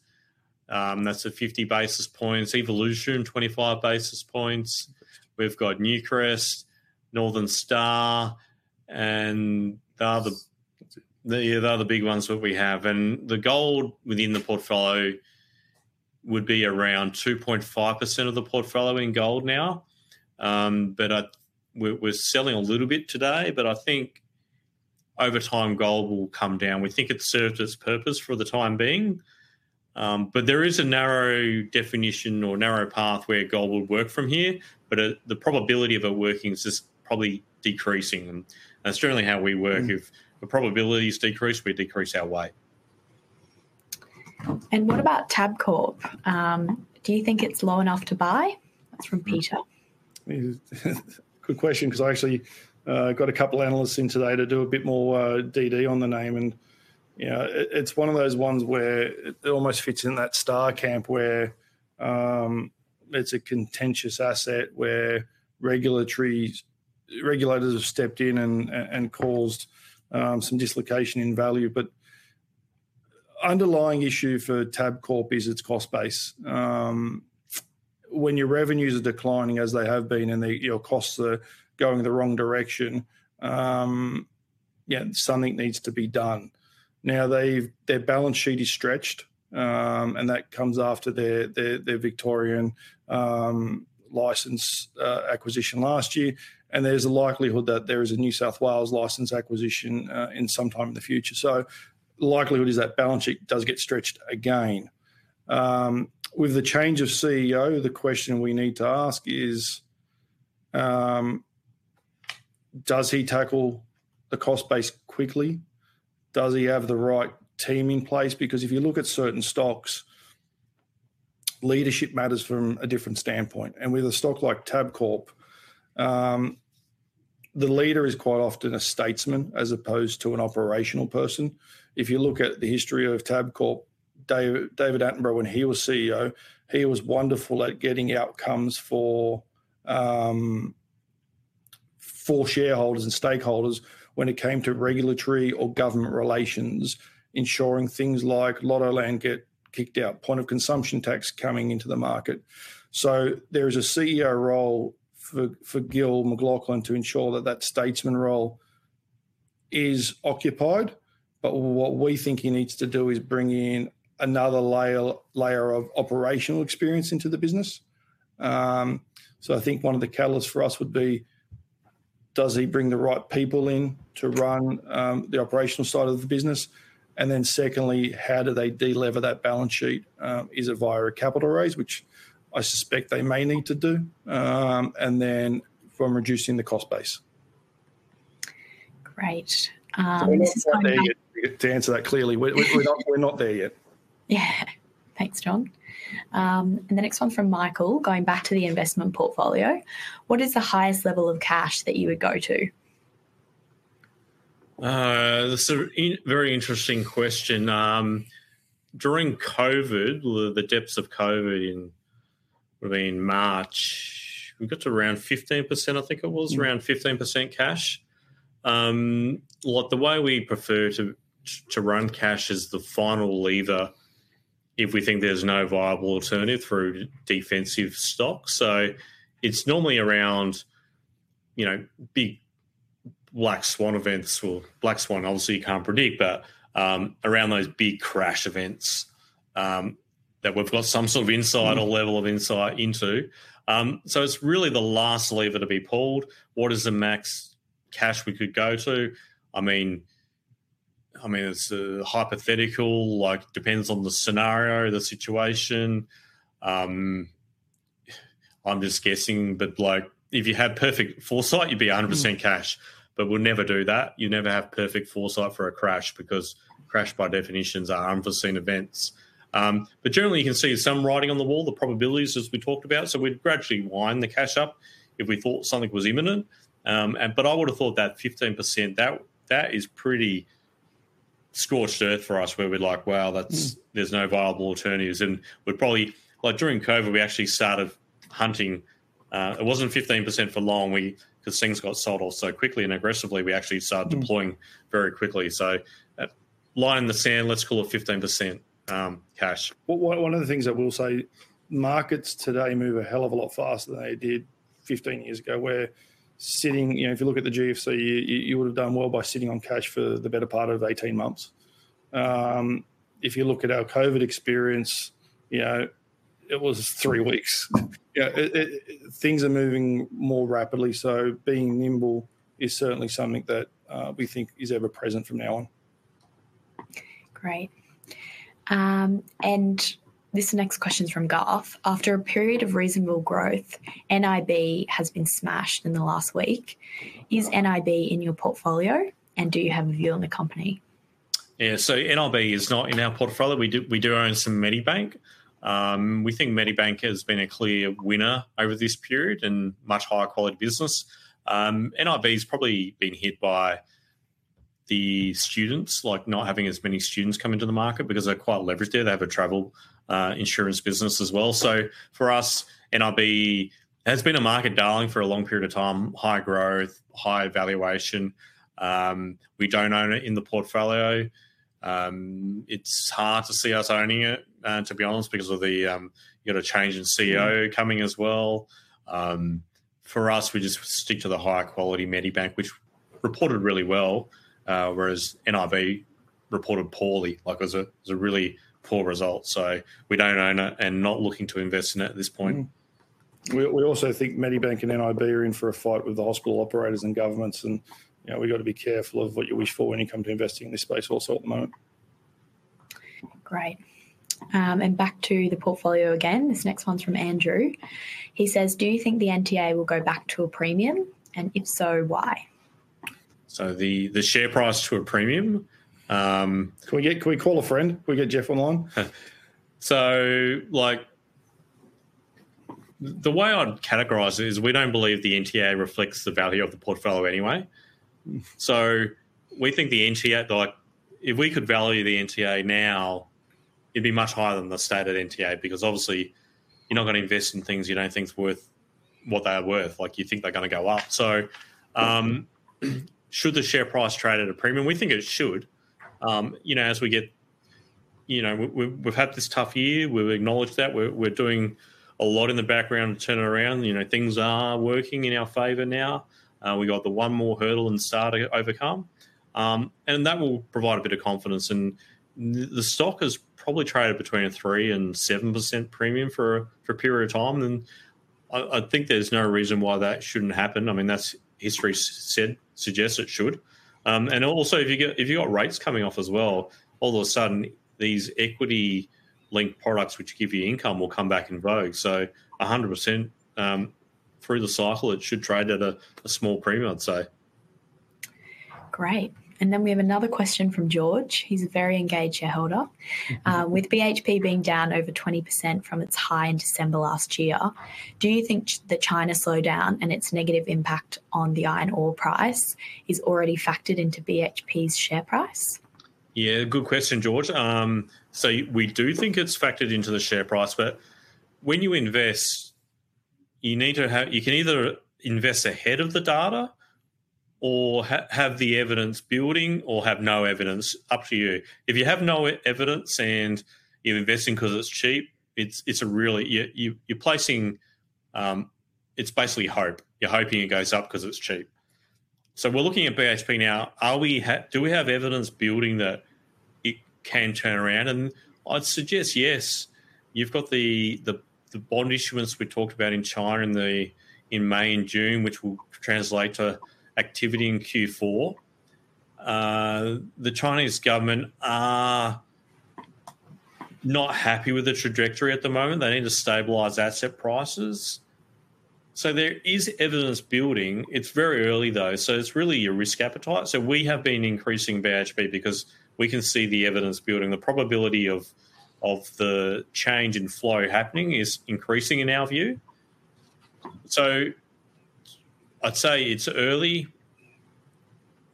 that's at fifty basis points. Evolution, twenty-five basis points. We've got Newcrest, Northern Star, and the other big ones that we have, and the gold within the portfolio would be around 2.5% of the portfolio in gold now. But we're selling a little bit today, but I think over time, gold will come down. We think it's served its purpose for the time being, but there is a narrow definition or narrow path where gold will work from here, but the probability of it working is just probably decreasing, and that's generally how we work. If the probabilities decrease, we decrease our weight. What about Tabcorp? Do you think it's low enough to buy? That's from Peter. Good question, 'cause I actually got a couple analysts in today to do a bit more DD on the name, and, you know, it, it's one of those ones where it almost fits in that star camp, where it's a contentious asset, where regulators have stepped in and caused some dislocation in value. But underlying issue for Tabcorp is its cost base. When your revenues are declining, as they have been, and the, you know, costs are going the wrong direction, yeah, something needs to be done. Now, their balance sheet is stretched, and that comes after their Victorian license acquisition last year, and there's a likelihood that there is a New South Wales license acquisition in some time in the future. So the likelihood is that balance sheet does get stretched again. With the change of CEO, the question we need to ask is, does he tackle the cost base quickly? Does he have the right team in place? Because if you look at certain stocks, leadership matters from a different standpoint, and with a stock like Tabcorp, the leader is quite often a statesman as opposed to an operational person. If you look at the history of Tabcorp, Dave, David Attenborough, when he was CEO, he was wonderful at getting outcomes for shareholders and stakeholders when it came to regulatory or government relations, ensuring things like Lottoland get kicked out, point of consumption tax coming into the market. So there is a CEO role for Gil McLachlan to ensure that that statesman role is occupied, but what we think he needs to do is bring in another layer of operational experience into the business. So I think one of the catalysts for us would be, does he bring the right people in to run the operational side of the business? And then secondly, how do they de-lever that balance sheet? Is it via a capital raise, which I suspect they may need to do, and then from reducing the cost base. Great. To answer that clearly, we're not there yet. Yeah. Thanks, John. And the next one from Michael, going back to the investment portfolio: What is the highest level of cash that you would go to? That's a very interesting question. During COVID, the depths of COVID in maybe in March, we got to around 15%, I think it was, around 15% cash. Look, the way we prefer to run cash is the final lever if we think there's no viable alternative through defensive stocks. So it's normally around, you know, big black swan events, or black swan. Obviously, you can't predict, but around those big crash events that we've got some sort of insight or level of insight into. So it's really the last lever to be pulled. What is the max cash we could go to? I mean, it's a hypothetical, like, depends on the scenario, the situation. I'm just guessing, but like, if you had perfect foresight, you'd be 100% cash, but we'll never do that. You never have perfect foresight for a crash, because crash, by definition, are unforeseen events. But generally, you can see some writing on the wall, the probabilities, as we talked about, so we'd gradually wind the cash up if we thought something was imminent. But I would have thought that 15%, that is pretty scorched earth for us, where we're like: Wow, that's- Mm. There's no viable alternatives. And we're probably, like, during COVID, we actually started hunting. It wasn't 15% for long, we, 'cause things got sold off so quickly and aggressively, we actually started- Mm... deploying very quickly. So, line in the sand, let's call it 15% cash. One of the things I will say, markets today move a hell of a lot faster than they did fifteen years ago, where sitting you know, if you look at the GFC, you would have done well by sitting on cash for the better part of eighteen months. If you look at our COVID experience, you know, it was three weeks. Yeah, it things are moving more rapidly, so being nimble is certainly something that we think is ever present from now on. Great. And this next question is from Garth: After a period of reasonable growth, NIB has been smashed in the last week. Is NIB in your portfolio, and do you have a view on the company? Yeah, so NIB is not in our portfolio. We do, we do own some Medibank. We think Medibank has been a clear winner over this period and much higher quality business. NIB's probably been hit by the students, like not having as many students come into the market because they're quite leveraged there. They have a travel, insurance business as well. So for us, NIB has been a market darling for a long period of time, high growth, high valuation. We don't own it in the portfolio. It's hard to see us owning it, to be honest, because of the, you know, change in CEO coming as well. For us, we just stick to the higher quality Medibank, which reported really well, whereas NIB reported poorly, like it was a really poor result, so we don't own it and not looking to invest in it at this point. Mm-hmm. We also think Medibank and NIB are in for a fight with the hospital operators and governments, and, you know, we've got to be careful of what you wish for when it come to investing in this space also at the moment. Great, and back to the portfolio again. This next one's from Andrew. He says: Do you think the NTA will go back to a premium, and if so, why? So the share price to a premium, Can we call a friend? Can we get Jeff online? Like, the way I'd categorize it is we don't believe the NTA reflects the value of the portfolio anyway. Mm. So we think the NTA, like, if we could value the NTA now, it'd be much higher than the stated NTA, because obviously, you're not going to invest in things you don't think is worth what they're worth, like, you think they're gonna go up. Should the share price trade at a premium? We think it should. You know, as we get... You know, we've had this tough year, we've acknowledged that. We're doing a lot in the background to turn it around. You know, things are working in our favor now. We got one more hurdle in STAR to overcome, and that will provide a bit of confidence. The stock has probably traded between a 3% and 7% premium for a period of time, and I think there's no reason why that shouldn't happen. I mean, history suggests it should. And also, if you've got rates coming off as well, all of a sudden, these equity-linked products, which give you income, will come back in vogue. So 100%, through the cycle, it should trade at a small premium, I'd say. Great. And then we have another question from George. He's a very engaged shareholder. Mm-hmm. With BHP being down over 20% from its high in December last year, do you think the China slowdown and its negative impact on the iron ore price is already factored into BHP's share price?... Yeah, good question, George. So we do think it's factored into the share price, but when you invest, you need to have you can either invest ahead of the data or have the evidence building or have no evidence, up to you. If you have no evidence and you're investing 'cause it's cheap, it's a really, you, you're placing, it's basically hope. You're hoping it goes up 'cause it's cheap. So we're looking at BHP now. Are we do we have evidence building that it can turn around? And I'd suggest, yes, you've got the bond issuance we talked about in China in May and June, which will translate to activity in Q4. The Chinese government are not happy with the trajectory at the moment. They need to stabilize asset prices. So there is evidence building. It's very early, though, so it's really your risk appetite so we have been increasing BHP because we can see the evidence building. The probability of the change in flow happening is increasing, in our view, so I'd say it's early.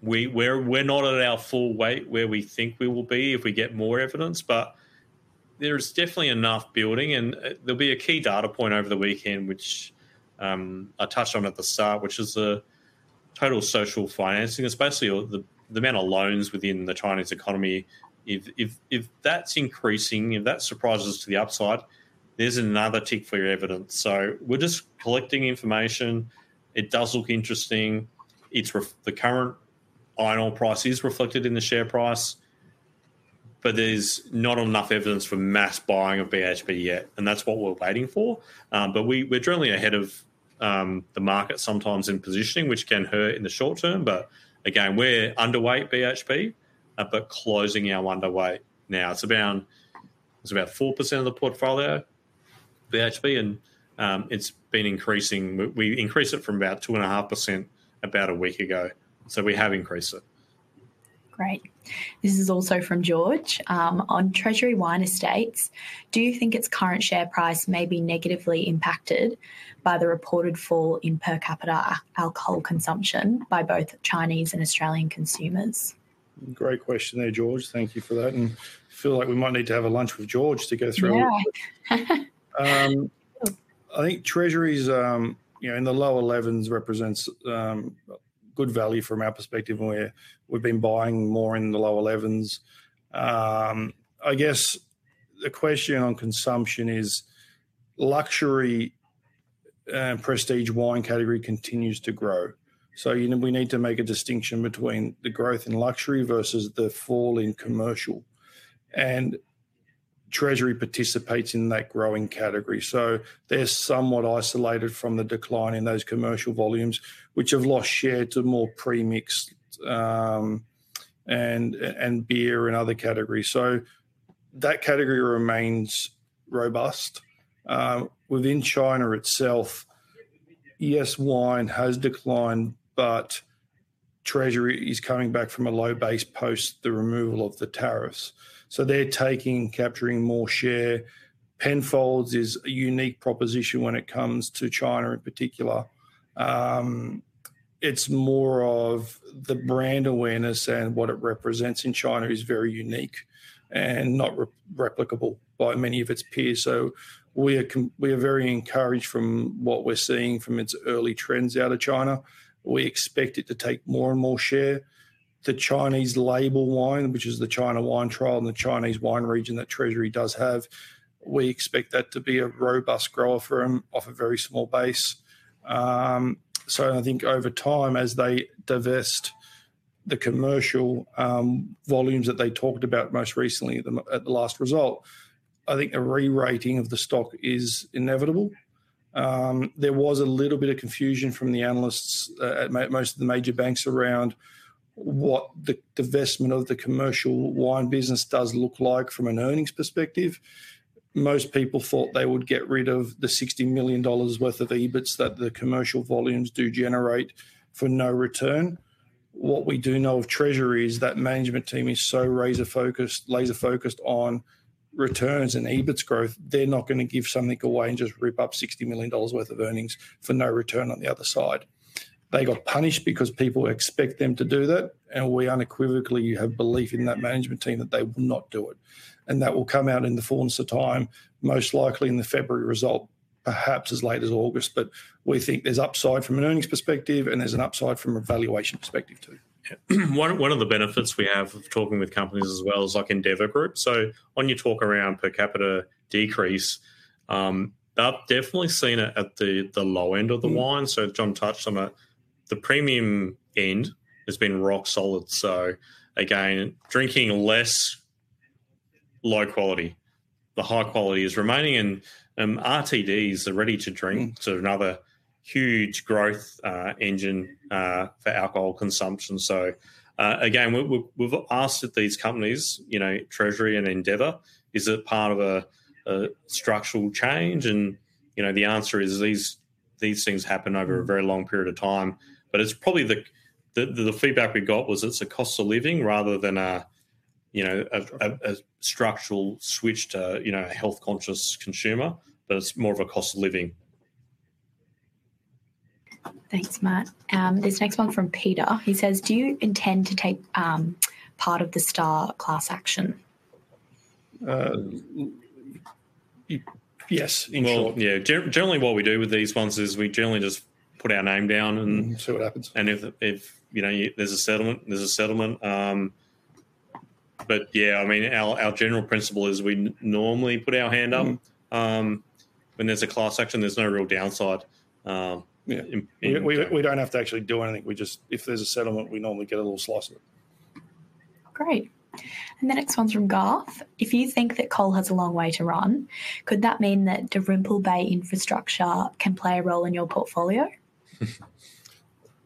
We're not at our full weight, where we think we will be if we get more evidence, but there's definitely enough building, and there'll be a key data point over the weekend, which I touched on at the start, which is the Total Social Financing. It's basically all the amount of loans within the Chinese economy. If that's increasing, if that surprises to the upside, there's another tick for your evidence so we're just collecting information. It does look interesting. The current iron ore price is reflected in the share price, but there's not enough evidence for mass buying of BHP yet, and that's what we're waiting for. But we're generally ahead of the market, sometimes in positioning, which can hurt in the short term. But again, we're underweight BHP, but closing our underweight now. It's about 4% of the portfolio, BHP, and it's been increasing. We increased it from about 2.5% about a week ago, so we have increased it. Great. This is also from George. "On Treasury Wine Estates, do you think its current share price may be negatively impacted by the reported fall in per capita alcohol consumption by both Chinese and Australian consumers? Great question there, George. Thank you for that, and I feel like we might need to have a lunch with George to go through it. Yeah. I think Treasury's, you know, in the low elevens represents good value from our perspective, and we've been buying more in the low elevens. I guess the question on consumption is luxury and prestige wine category continues to grow, so, you know, we need to make a distinction between the growth in luxury versus the fall in commercial. And Treasury participates in that growing category, so they're somewhat isolated from the decline in those commercial volumes, which have lost share to more pre-mixed and beer and other categories. So that category remains robust. Within China itself, yes, wine has declined, but Treasury is coming back from a low base post the removal of the tariffs, so they're capturing more share. Penfolds is a unique proposition when it comes to China, in particular. It's more of the brand awareness, and what it represents in China is very unique and not replicable by many of its peers. So we are very encouraged from what we're seeing from its early trends out of China. We expect it to take more and more share. The Chinese label wine, which is the China Wine Trial and the Chinese wine region that Treasury does have, we expect that to be a robust grower for them off a very small base. So I think over time, as they divest the commercial volumes that they talked about most recently at the last result, I think a re-rating of the stock is inevitable. There was a little bit of confusion from the analysts at most of the major banks around what the divestment of the commercial wine business does look like from an earnings perspective. Most people thought they would get rid of the 60 million dollars worth of EBIT that the commercial volumes do generate for no return. What we do know of Treasury is that management team is so razor-focused, laser-focused on returns and EBIT growth, they're not gonna give something away and just rip up 60 million dollars worth of earnings for no return on the other side. They got punished because people expect them to do that, and we unequivocally have belief in that management team that they will not do it, and that will come out in the fullness of time, most likely in the February result, perhaps as late as August. But we think there's upside from an earnings perspective, and there's an upside from a valuation perspective, too. Yeah. One of the benefits we have of talking with companies as well is, like Endeavour Group. So when you talk around per capita decrease, they've definitely seen it at the low end of the wine. Mm. So John touched on that. The premium end has been rock solid. So again, drinking less low quality. The high quality is remaining, and RTDs, the ready-to-drink- Mm... so another huge growth engine for alcohol consumption. Again, we've asked that these companies, you know, Treasury and Endeavour, is it part of a structural change? And, you know, the answer is these things happen over a very long period of time. But it's probably the feedback we got was it's a cost of living rather than a, you know, a structural switch to, you know, a health-conscious consumer, but it's more of a cost of living.... Thanks, Matt. This next one from Peter, he says, "Do you intend to take part of the Star class action? Yes, in short. Yeah. Generally, what we do with these ones is we generally just put our name down and- See what happens. And if you know, there's a settlement, there's a settlement. But yeah, I mean, our general principle is we normally put our hand up. Mm-hmm. When there's a class action, there's no real downside. Yeah. Um- We don't have to actually do anything. We just. If there's a settlement, we normally get a little slice of it. Great! And the next one's from Garth: "If you think that coal has a long way to run, could that mean that Dalrymple Bay Infrastructure can play a role in your portfolio?"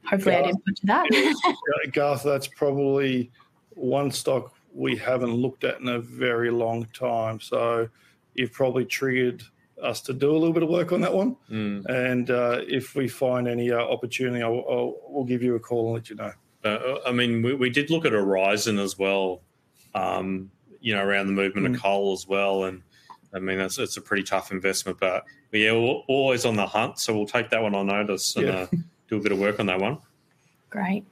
Hopefully, I didn't put to that. Garth, that's probably one stock we haven't looked at in a very long time, so you've probably triggered us to do a little bit of work on that one. Mm. If we find any opportunity, we'll give you a call and let you know. I mean, we did look at Aurizon as well, you know, around the movement- Mm... of coal as well, and I mean, that's, it's a pretty tough investment. But we are always on the hunt, so we'll take that one on notice. Yeah... and do a bit of work on that one. Great.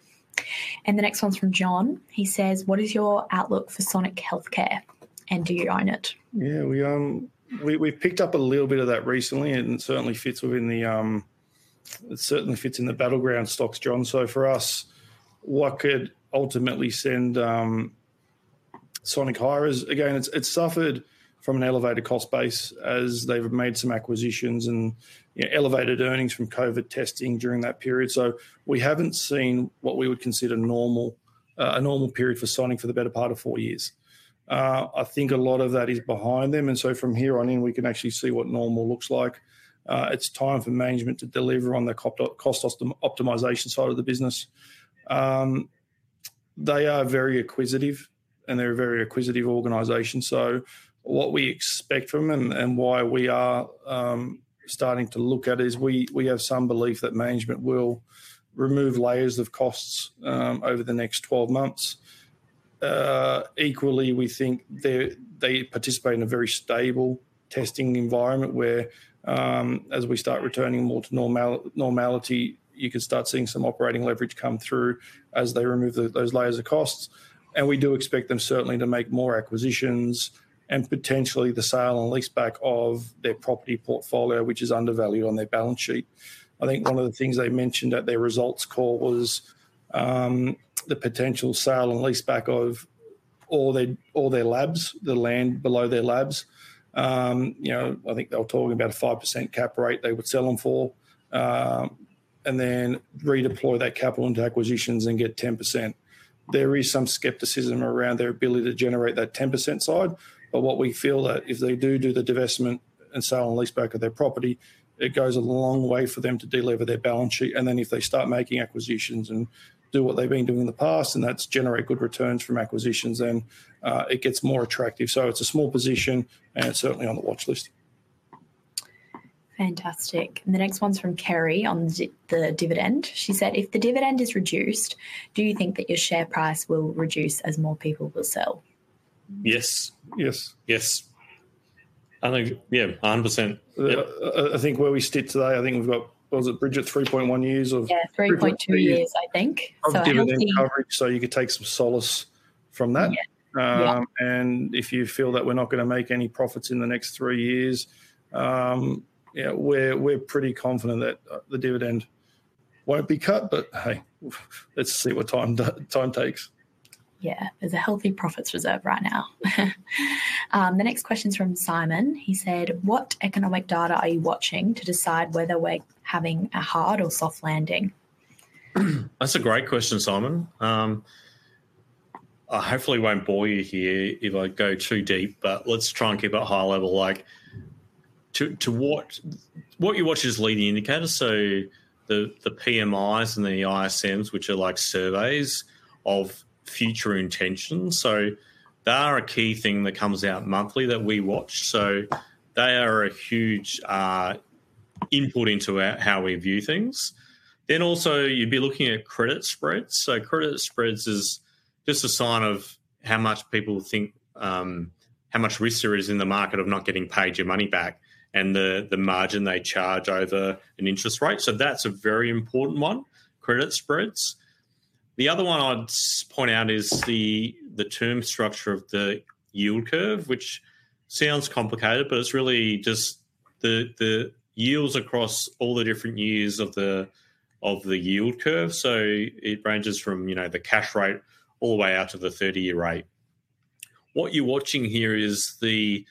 And the next one's from John. He says: "What is your outlook for Sonic Healthcare, and do you own it? Yeah, we've picked up a little bit of that recently, and it certainly fits in the battleground stocks, John. So for us, what could ultimately send Sonic higher is, again, it's suffered from an elevated cost base as they've made some acquisitions and, you know, elevated earnings from COVID testing during that period. So we haven't seen what we would consider a normal period for Sonic for the better part of four years. I think a lot of that is behind them, and so from here on in, we can actually see what normal looks like. It's time for management to deliver on the cost optimization side of the business. They are very acquisitive, and they're a very acquisitive organization, so what we expect from them and why we are starting to look at is we have some belief that management will remove layers of costs over the next 12 months. Equally, we think they participate in a very stable testing environment, where as we start returning more to normality, you could start seeing some operating leverage come through as they remove those layers of costs. And we do expect them, certainly, to make more acquisitions and potentially the sale and leaseback of their property portfolio, which is undervalued on their balance sheet. I think one of the things they mentioned at their results call was the potential sale and leaseback of all their labs, the land below their labs. you know, I think they were talking about a 5% cap rate they would sell them for, and then redeploy that capital into acquisitions and get 10%. There is some skepticism around their ability to generate that 10% side. But what we feel that if they do do the divestment and sale and leaseback of their property, it goes a long way for them to delever their balance sheet. And then, if they start making acquisitions and do what they've been doing in the past, and that's generate good returns from acquisitions, then, it gets more attractive. So it's a small position, and it's certainly on the watchlist. Fantastic. And the next one's from Kerry on the dividend. She said: "If the dividend is reduced, do you think that your share price will reduce as more people will sell? Yes. Yes. Yes. I think, yeah, 100%. I think where we sit today, I think we've got... Was it, Bridget, three point one years of- Yeah, three point two years, I think. Of dividend coverage, so you could take some solace from that. Yeah. Yeah. And if you feel that we're not gonna make any profits in the next three years, you know, we're pretty confident that the dividend won't be cut. But, hey, let's see what time takes. Yeah. There's a healthy profits reserve right now. The next question is from Simon. He said: "What economic data are you watching to decide whether we're having a hard or soft landing? That's a great question, Simon. I hopefully won't bore you here if I go too deep, but let's try and keep it high level. What you watch is leading indicators, so the PMIs and the ISMs, which are like surveys of future intentions, so they are a key thing that comes out monthly that we watch. So they are a huge input into how we view things. Then, also, you'd be looking at credit spreads. So credit spreads is just a sign of how much people think how much risk there is in the market of not getting paid your money back, and the margin they charge over an interest rate. So that's a very important one, credit spreads. The other one I'd point out is the term structure of the yield curve, which sounds complicated, but it's really just the yields across all the different years of the yield curve. So it ranges from, you know, the cash rate all the way out to the 30-year rate. What you're watching here is the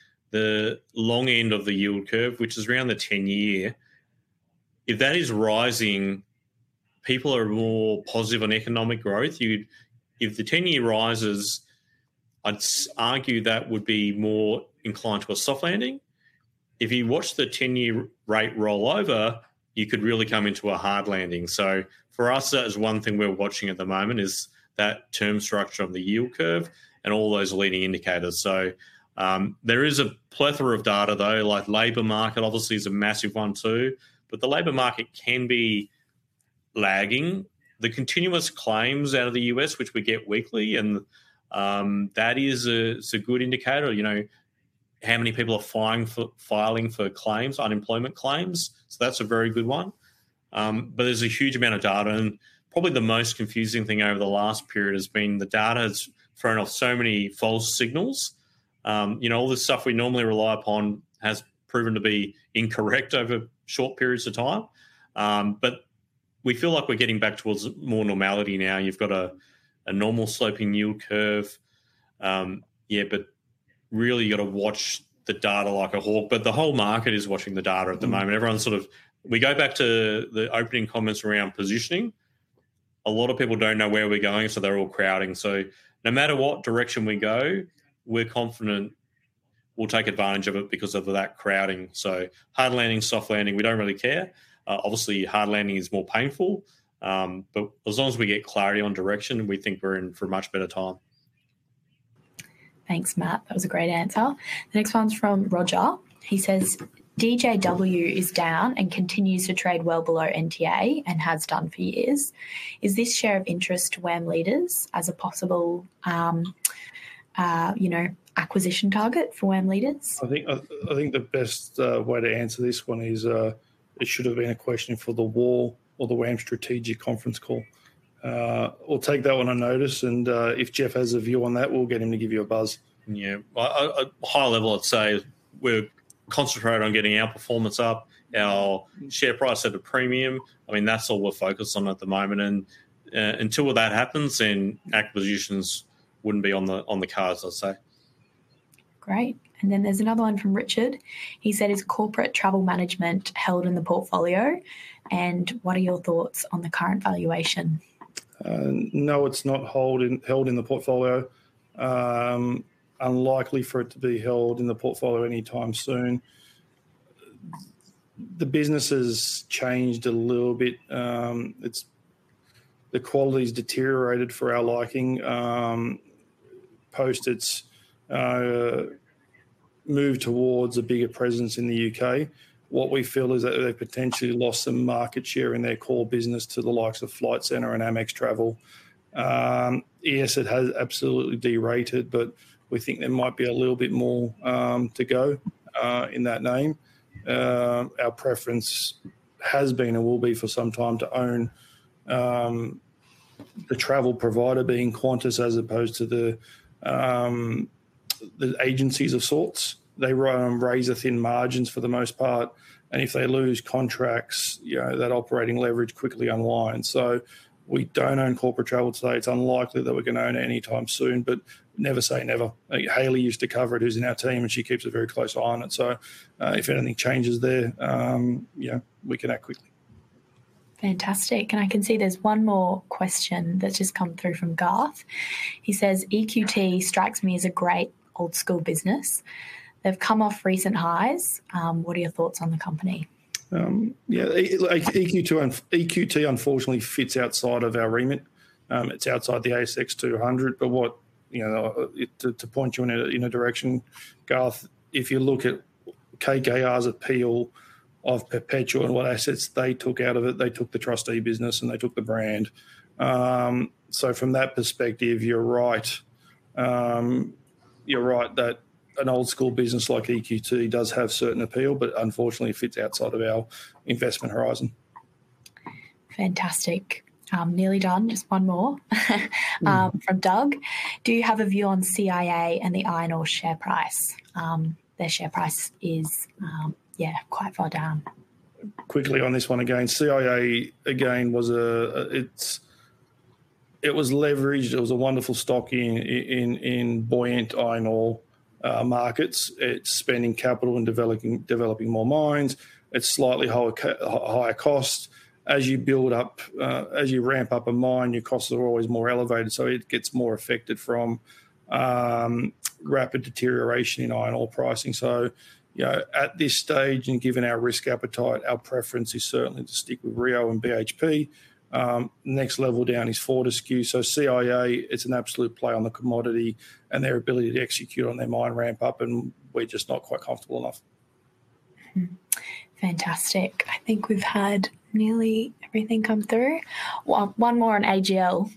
long end of the yield curve, which is around the 10-year. If that is rising, people are more positive on economic growth. If the 10-year rises, I'd argue that would be more inclined to a soft landing. If you watch the 10-year rate roll over, you could really come into a hard landing. So for us, that is one thing we're watching at the moment, is that term structure of the yield curve and all those leading indicators. So, there is a plethora of data, though, like labor market, obviously, is a massive one, too. But the labor market can be lagging. The continuous claims out of the U.S., which we get weekly, and that is a good indicator, you know, how many people are filing for claims, unemployment claims, so that's a very good one. But there's a huge amount of data, and probably the most confusing thing over the last period has been the data has thrown off so many false signals. You know, all the stuff we normally rely upon has proven to be incorrect over short periods of time. But we feel like we're getting back towards more normality now. You've got a normal sloping yield curve. Yeah, but really you've got to watch the data like a hawk. But the whole market is watching the data at the moment. Everyone's sort of... We go back to the opening comments around positioning. A lot of people don't know where we're going, so they're all crowding. So no matter what direction we go, we're confident we'll take advantage of it because of that crowding. So hard landing, soft landing, we don't really care. Obviously, hard landing is more painful, but as long as we get clarity on direction, we think we're in for a much better time. Thanks, Matt. That was a great answer. The next one's from Roger. He says: DJW is down and continues to trade well below NTA, and has done for years. Is this share of interest to WAM Leaders as a possible, you know, acquisition target for WAM Leaders? I think the best way to answer this one is, it should have been a question for the WAM or the WAM Strategic Conference call. We'll take that one on notice, and if Jeff has a view on that, we'll get him to give you a buzz. Yeah. Well, at a high level, I'd say we're concentrated on getting our performance up, our share price at a premium. I mean, that's all we're focused on at the moment, and until that happens, then acquisitions wouldn't be on the cards, I'd say. Great. And then there's another one from Richard. He said: "Is Corporate Travel Management held in the portfolio? And what are your thoughts on the current valuation? No, it's not holding, held in the portfolio. Unlikely for it to be held in the portfolio anytime soon. The business has changed a little bit. It's the quality's deteriorated for our liking, post its move towards a bigger presence in the UK. What we feel is that they've potentially lost some market share in their core business to the likes of Flight Centre and Amex Travel. Yes, it has absolutely derated, but we think there might be a little bit more to go in that name. Our preference has been, and will be for some time, to own the travel provider, being Qantas, as opposed to the agencies of sorts. They raise thin margins for the most part, and if they lose contracts, you know, that operating leverage quickly unwinds. We don't own corporate travel today. It's unlikely that we're going to own it anytime soon, but never say never. Hayley used to cover it, who's in our team, and she keeps a very close eye on it. If anything changes there, yeah, we can act quickly. Fantastic, and I can see there's one more question that's just come through from Garth. He says: "EQT strikes me as a great old-school business. They've come off recent highs. What are your thoughts on the company? Yeah, like EQT unfortunately fits outside of our remit. It's outside the ASX 200, but you know, to point you in a direction, Garth, if you look at KKR's acquisition of Perpetual and what assets they took out of it, they took the trustee business, and they took the brand. So from that perspective, you're right. You're right that an old-school business like EQT does have certain appeal, but unfortunately, it fits outside of our investment horizon. Fantastic. Nearly done. Just one more. From Doug: Do you have a view on CIA and the iron ore share price? Their share price is, yeah, quite far down. Quickly on this one again, CIA, again, was leveraged. It was a wonderful stock in buoyant iron ore markets. It's spending capital and developing more mines. It's slightly higher cost. As you build up, as you ramp up a mine, your costs are always more elevated, so it gets more affected from rapid deterioration in iron ore pricing. So, you know, at this stage, and given our risk appetite, our preference is certainly to stick with Rio and BHP. Next level down is Fortescue, so CIA, it's an absolute play on the commodity and their ability to execute on their mine ramp up, and we're just not quite comfortable enough. Fantastic. I think we've had nearly everything come through. One more on AGL.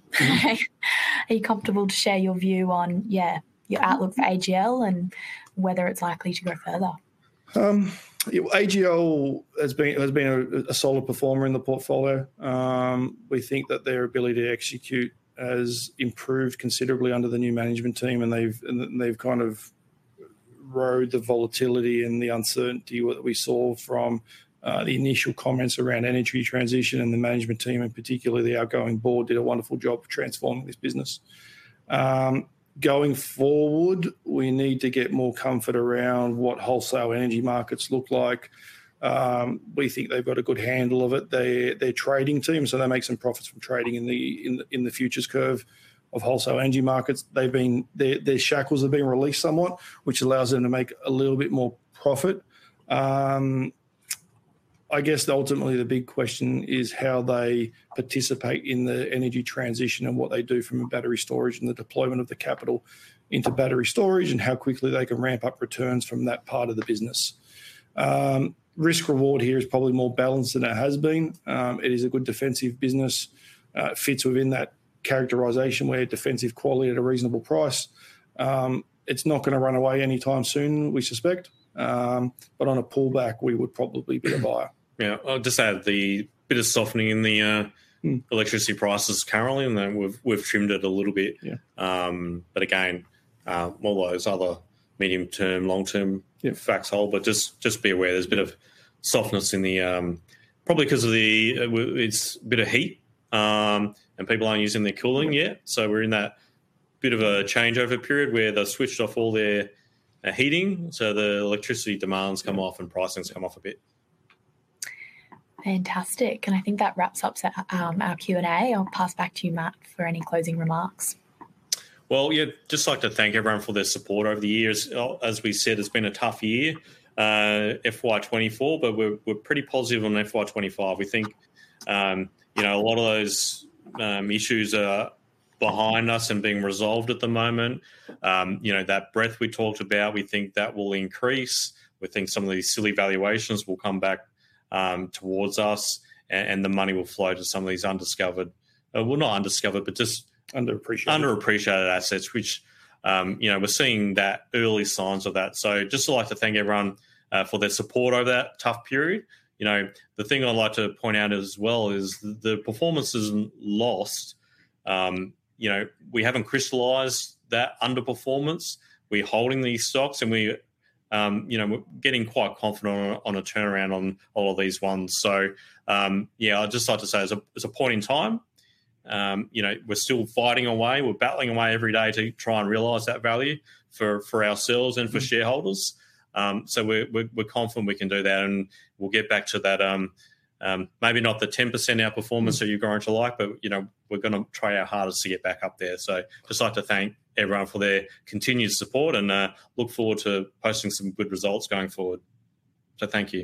Are you comfortable to share your view on, yeah, your outlook for AGL and whether it's likely to go further? AGL has been a solid performer in the portfolio. We think that their ability to execute has improved considerably under the new management team, and they've kind of rode the volatility and the uncertainty that we saw from the initial comments around energy transition, and the management team, and particularly the outgoing board, did a wonderful job of transforming this business. Going forward, we need to get more comfort around what wholesale energy markets look like. We think they've got a good handle of it. Their trading team, so they make some profits from trading in the futures curve of wholesale energy markets. They've been. Their shackles are being released somewhat, which allows them to make a little bit more profit. I guess ultimately, the big question is how they participate in the energy transition and what they do from a battery storage, and the deployment of the capital into battery storage, and how quickly they can ramp up returns from that part of the business. Risk reward here is probably more balanced than it has been. It is a good defensive business, fits within that characterization where defensive quality at a reasonable price. It's not gonna run away anytime soon, we suspect, but on a pullback, we would probably be a buyer. Yeah. I'll just add the bit of softening in the electricity prices currently, and then we've trimmed it a little bit. Yeah. But again, all those other medium-term, long-term, you know, facts hold. But just be aware, there's a bit of softness in the probably 'cause of the weather. It's a bit of heat, and people aren't using their cooling yet. So we're in that bit of a changeover period where they've switched off all their heating, so the electricity demands come off and pricing's come off a bit. Fantastic, and I think that wraps up our Q&A. I'll pass back to you, Matt, for any closing remarks. Yeah, just like to thank everyone for their support over the years. As we said, it's been a tough year, FY 2024, but we're pretty positive on FY 2025. We think you know, a lot of those issues are behind us and being resolved at the moment. You know, that breadth we talked about, we think that will increase. We think some of these silly valuations will come back towards us, and the money will flow to some of these undiscovered - well, not undiscovered, but just- Underappreciated... underappreciated assets, which, you know, we're seeing that early signs of that. So just to like to thank everyone for their support over that tough period. You know, the thing I'd like to point out as well is the performance isn't lost. You know, we haven't crystallized that underperformance. We're holding these stocks, and we, you know, we're getting quite confident on a turnaround on all of these ones. So, yeah, I'd just like to say it's a point in time. You know, we're still fighting away. We're battling away every day to try and realize that value for ourselves and for shareholders. So we're confident we can do that, and we'll get back to that, maybe not the 10% outperformance that you've grown to like, but, you know, we're gonna try our hardest to get back up there. So just like to thank everyone for their continued support and look forward to posting some good results going forward. So thank you.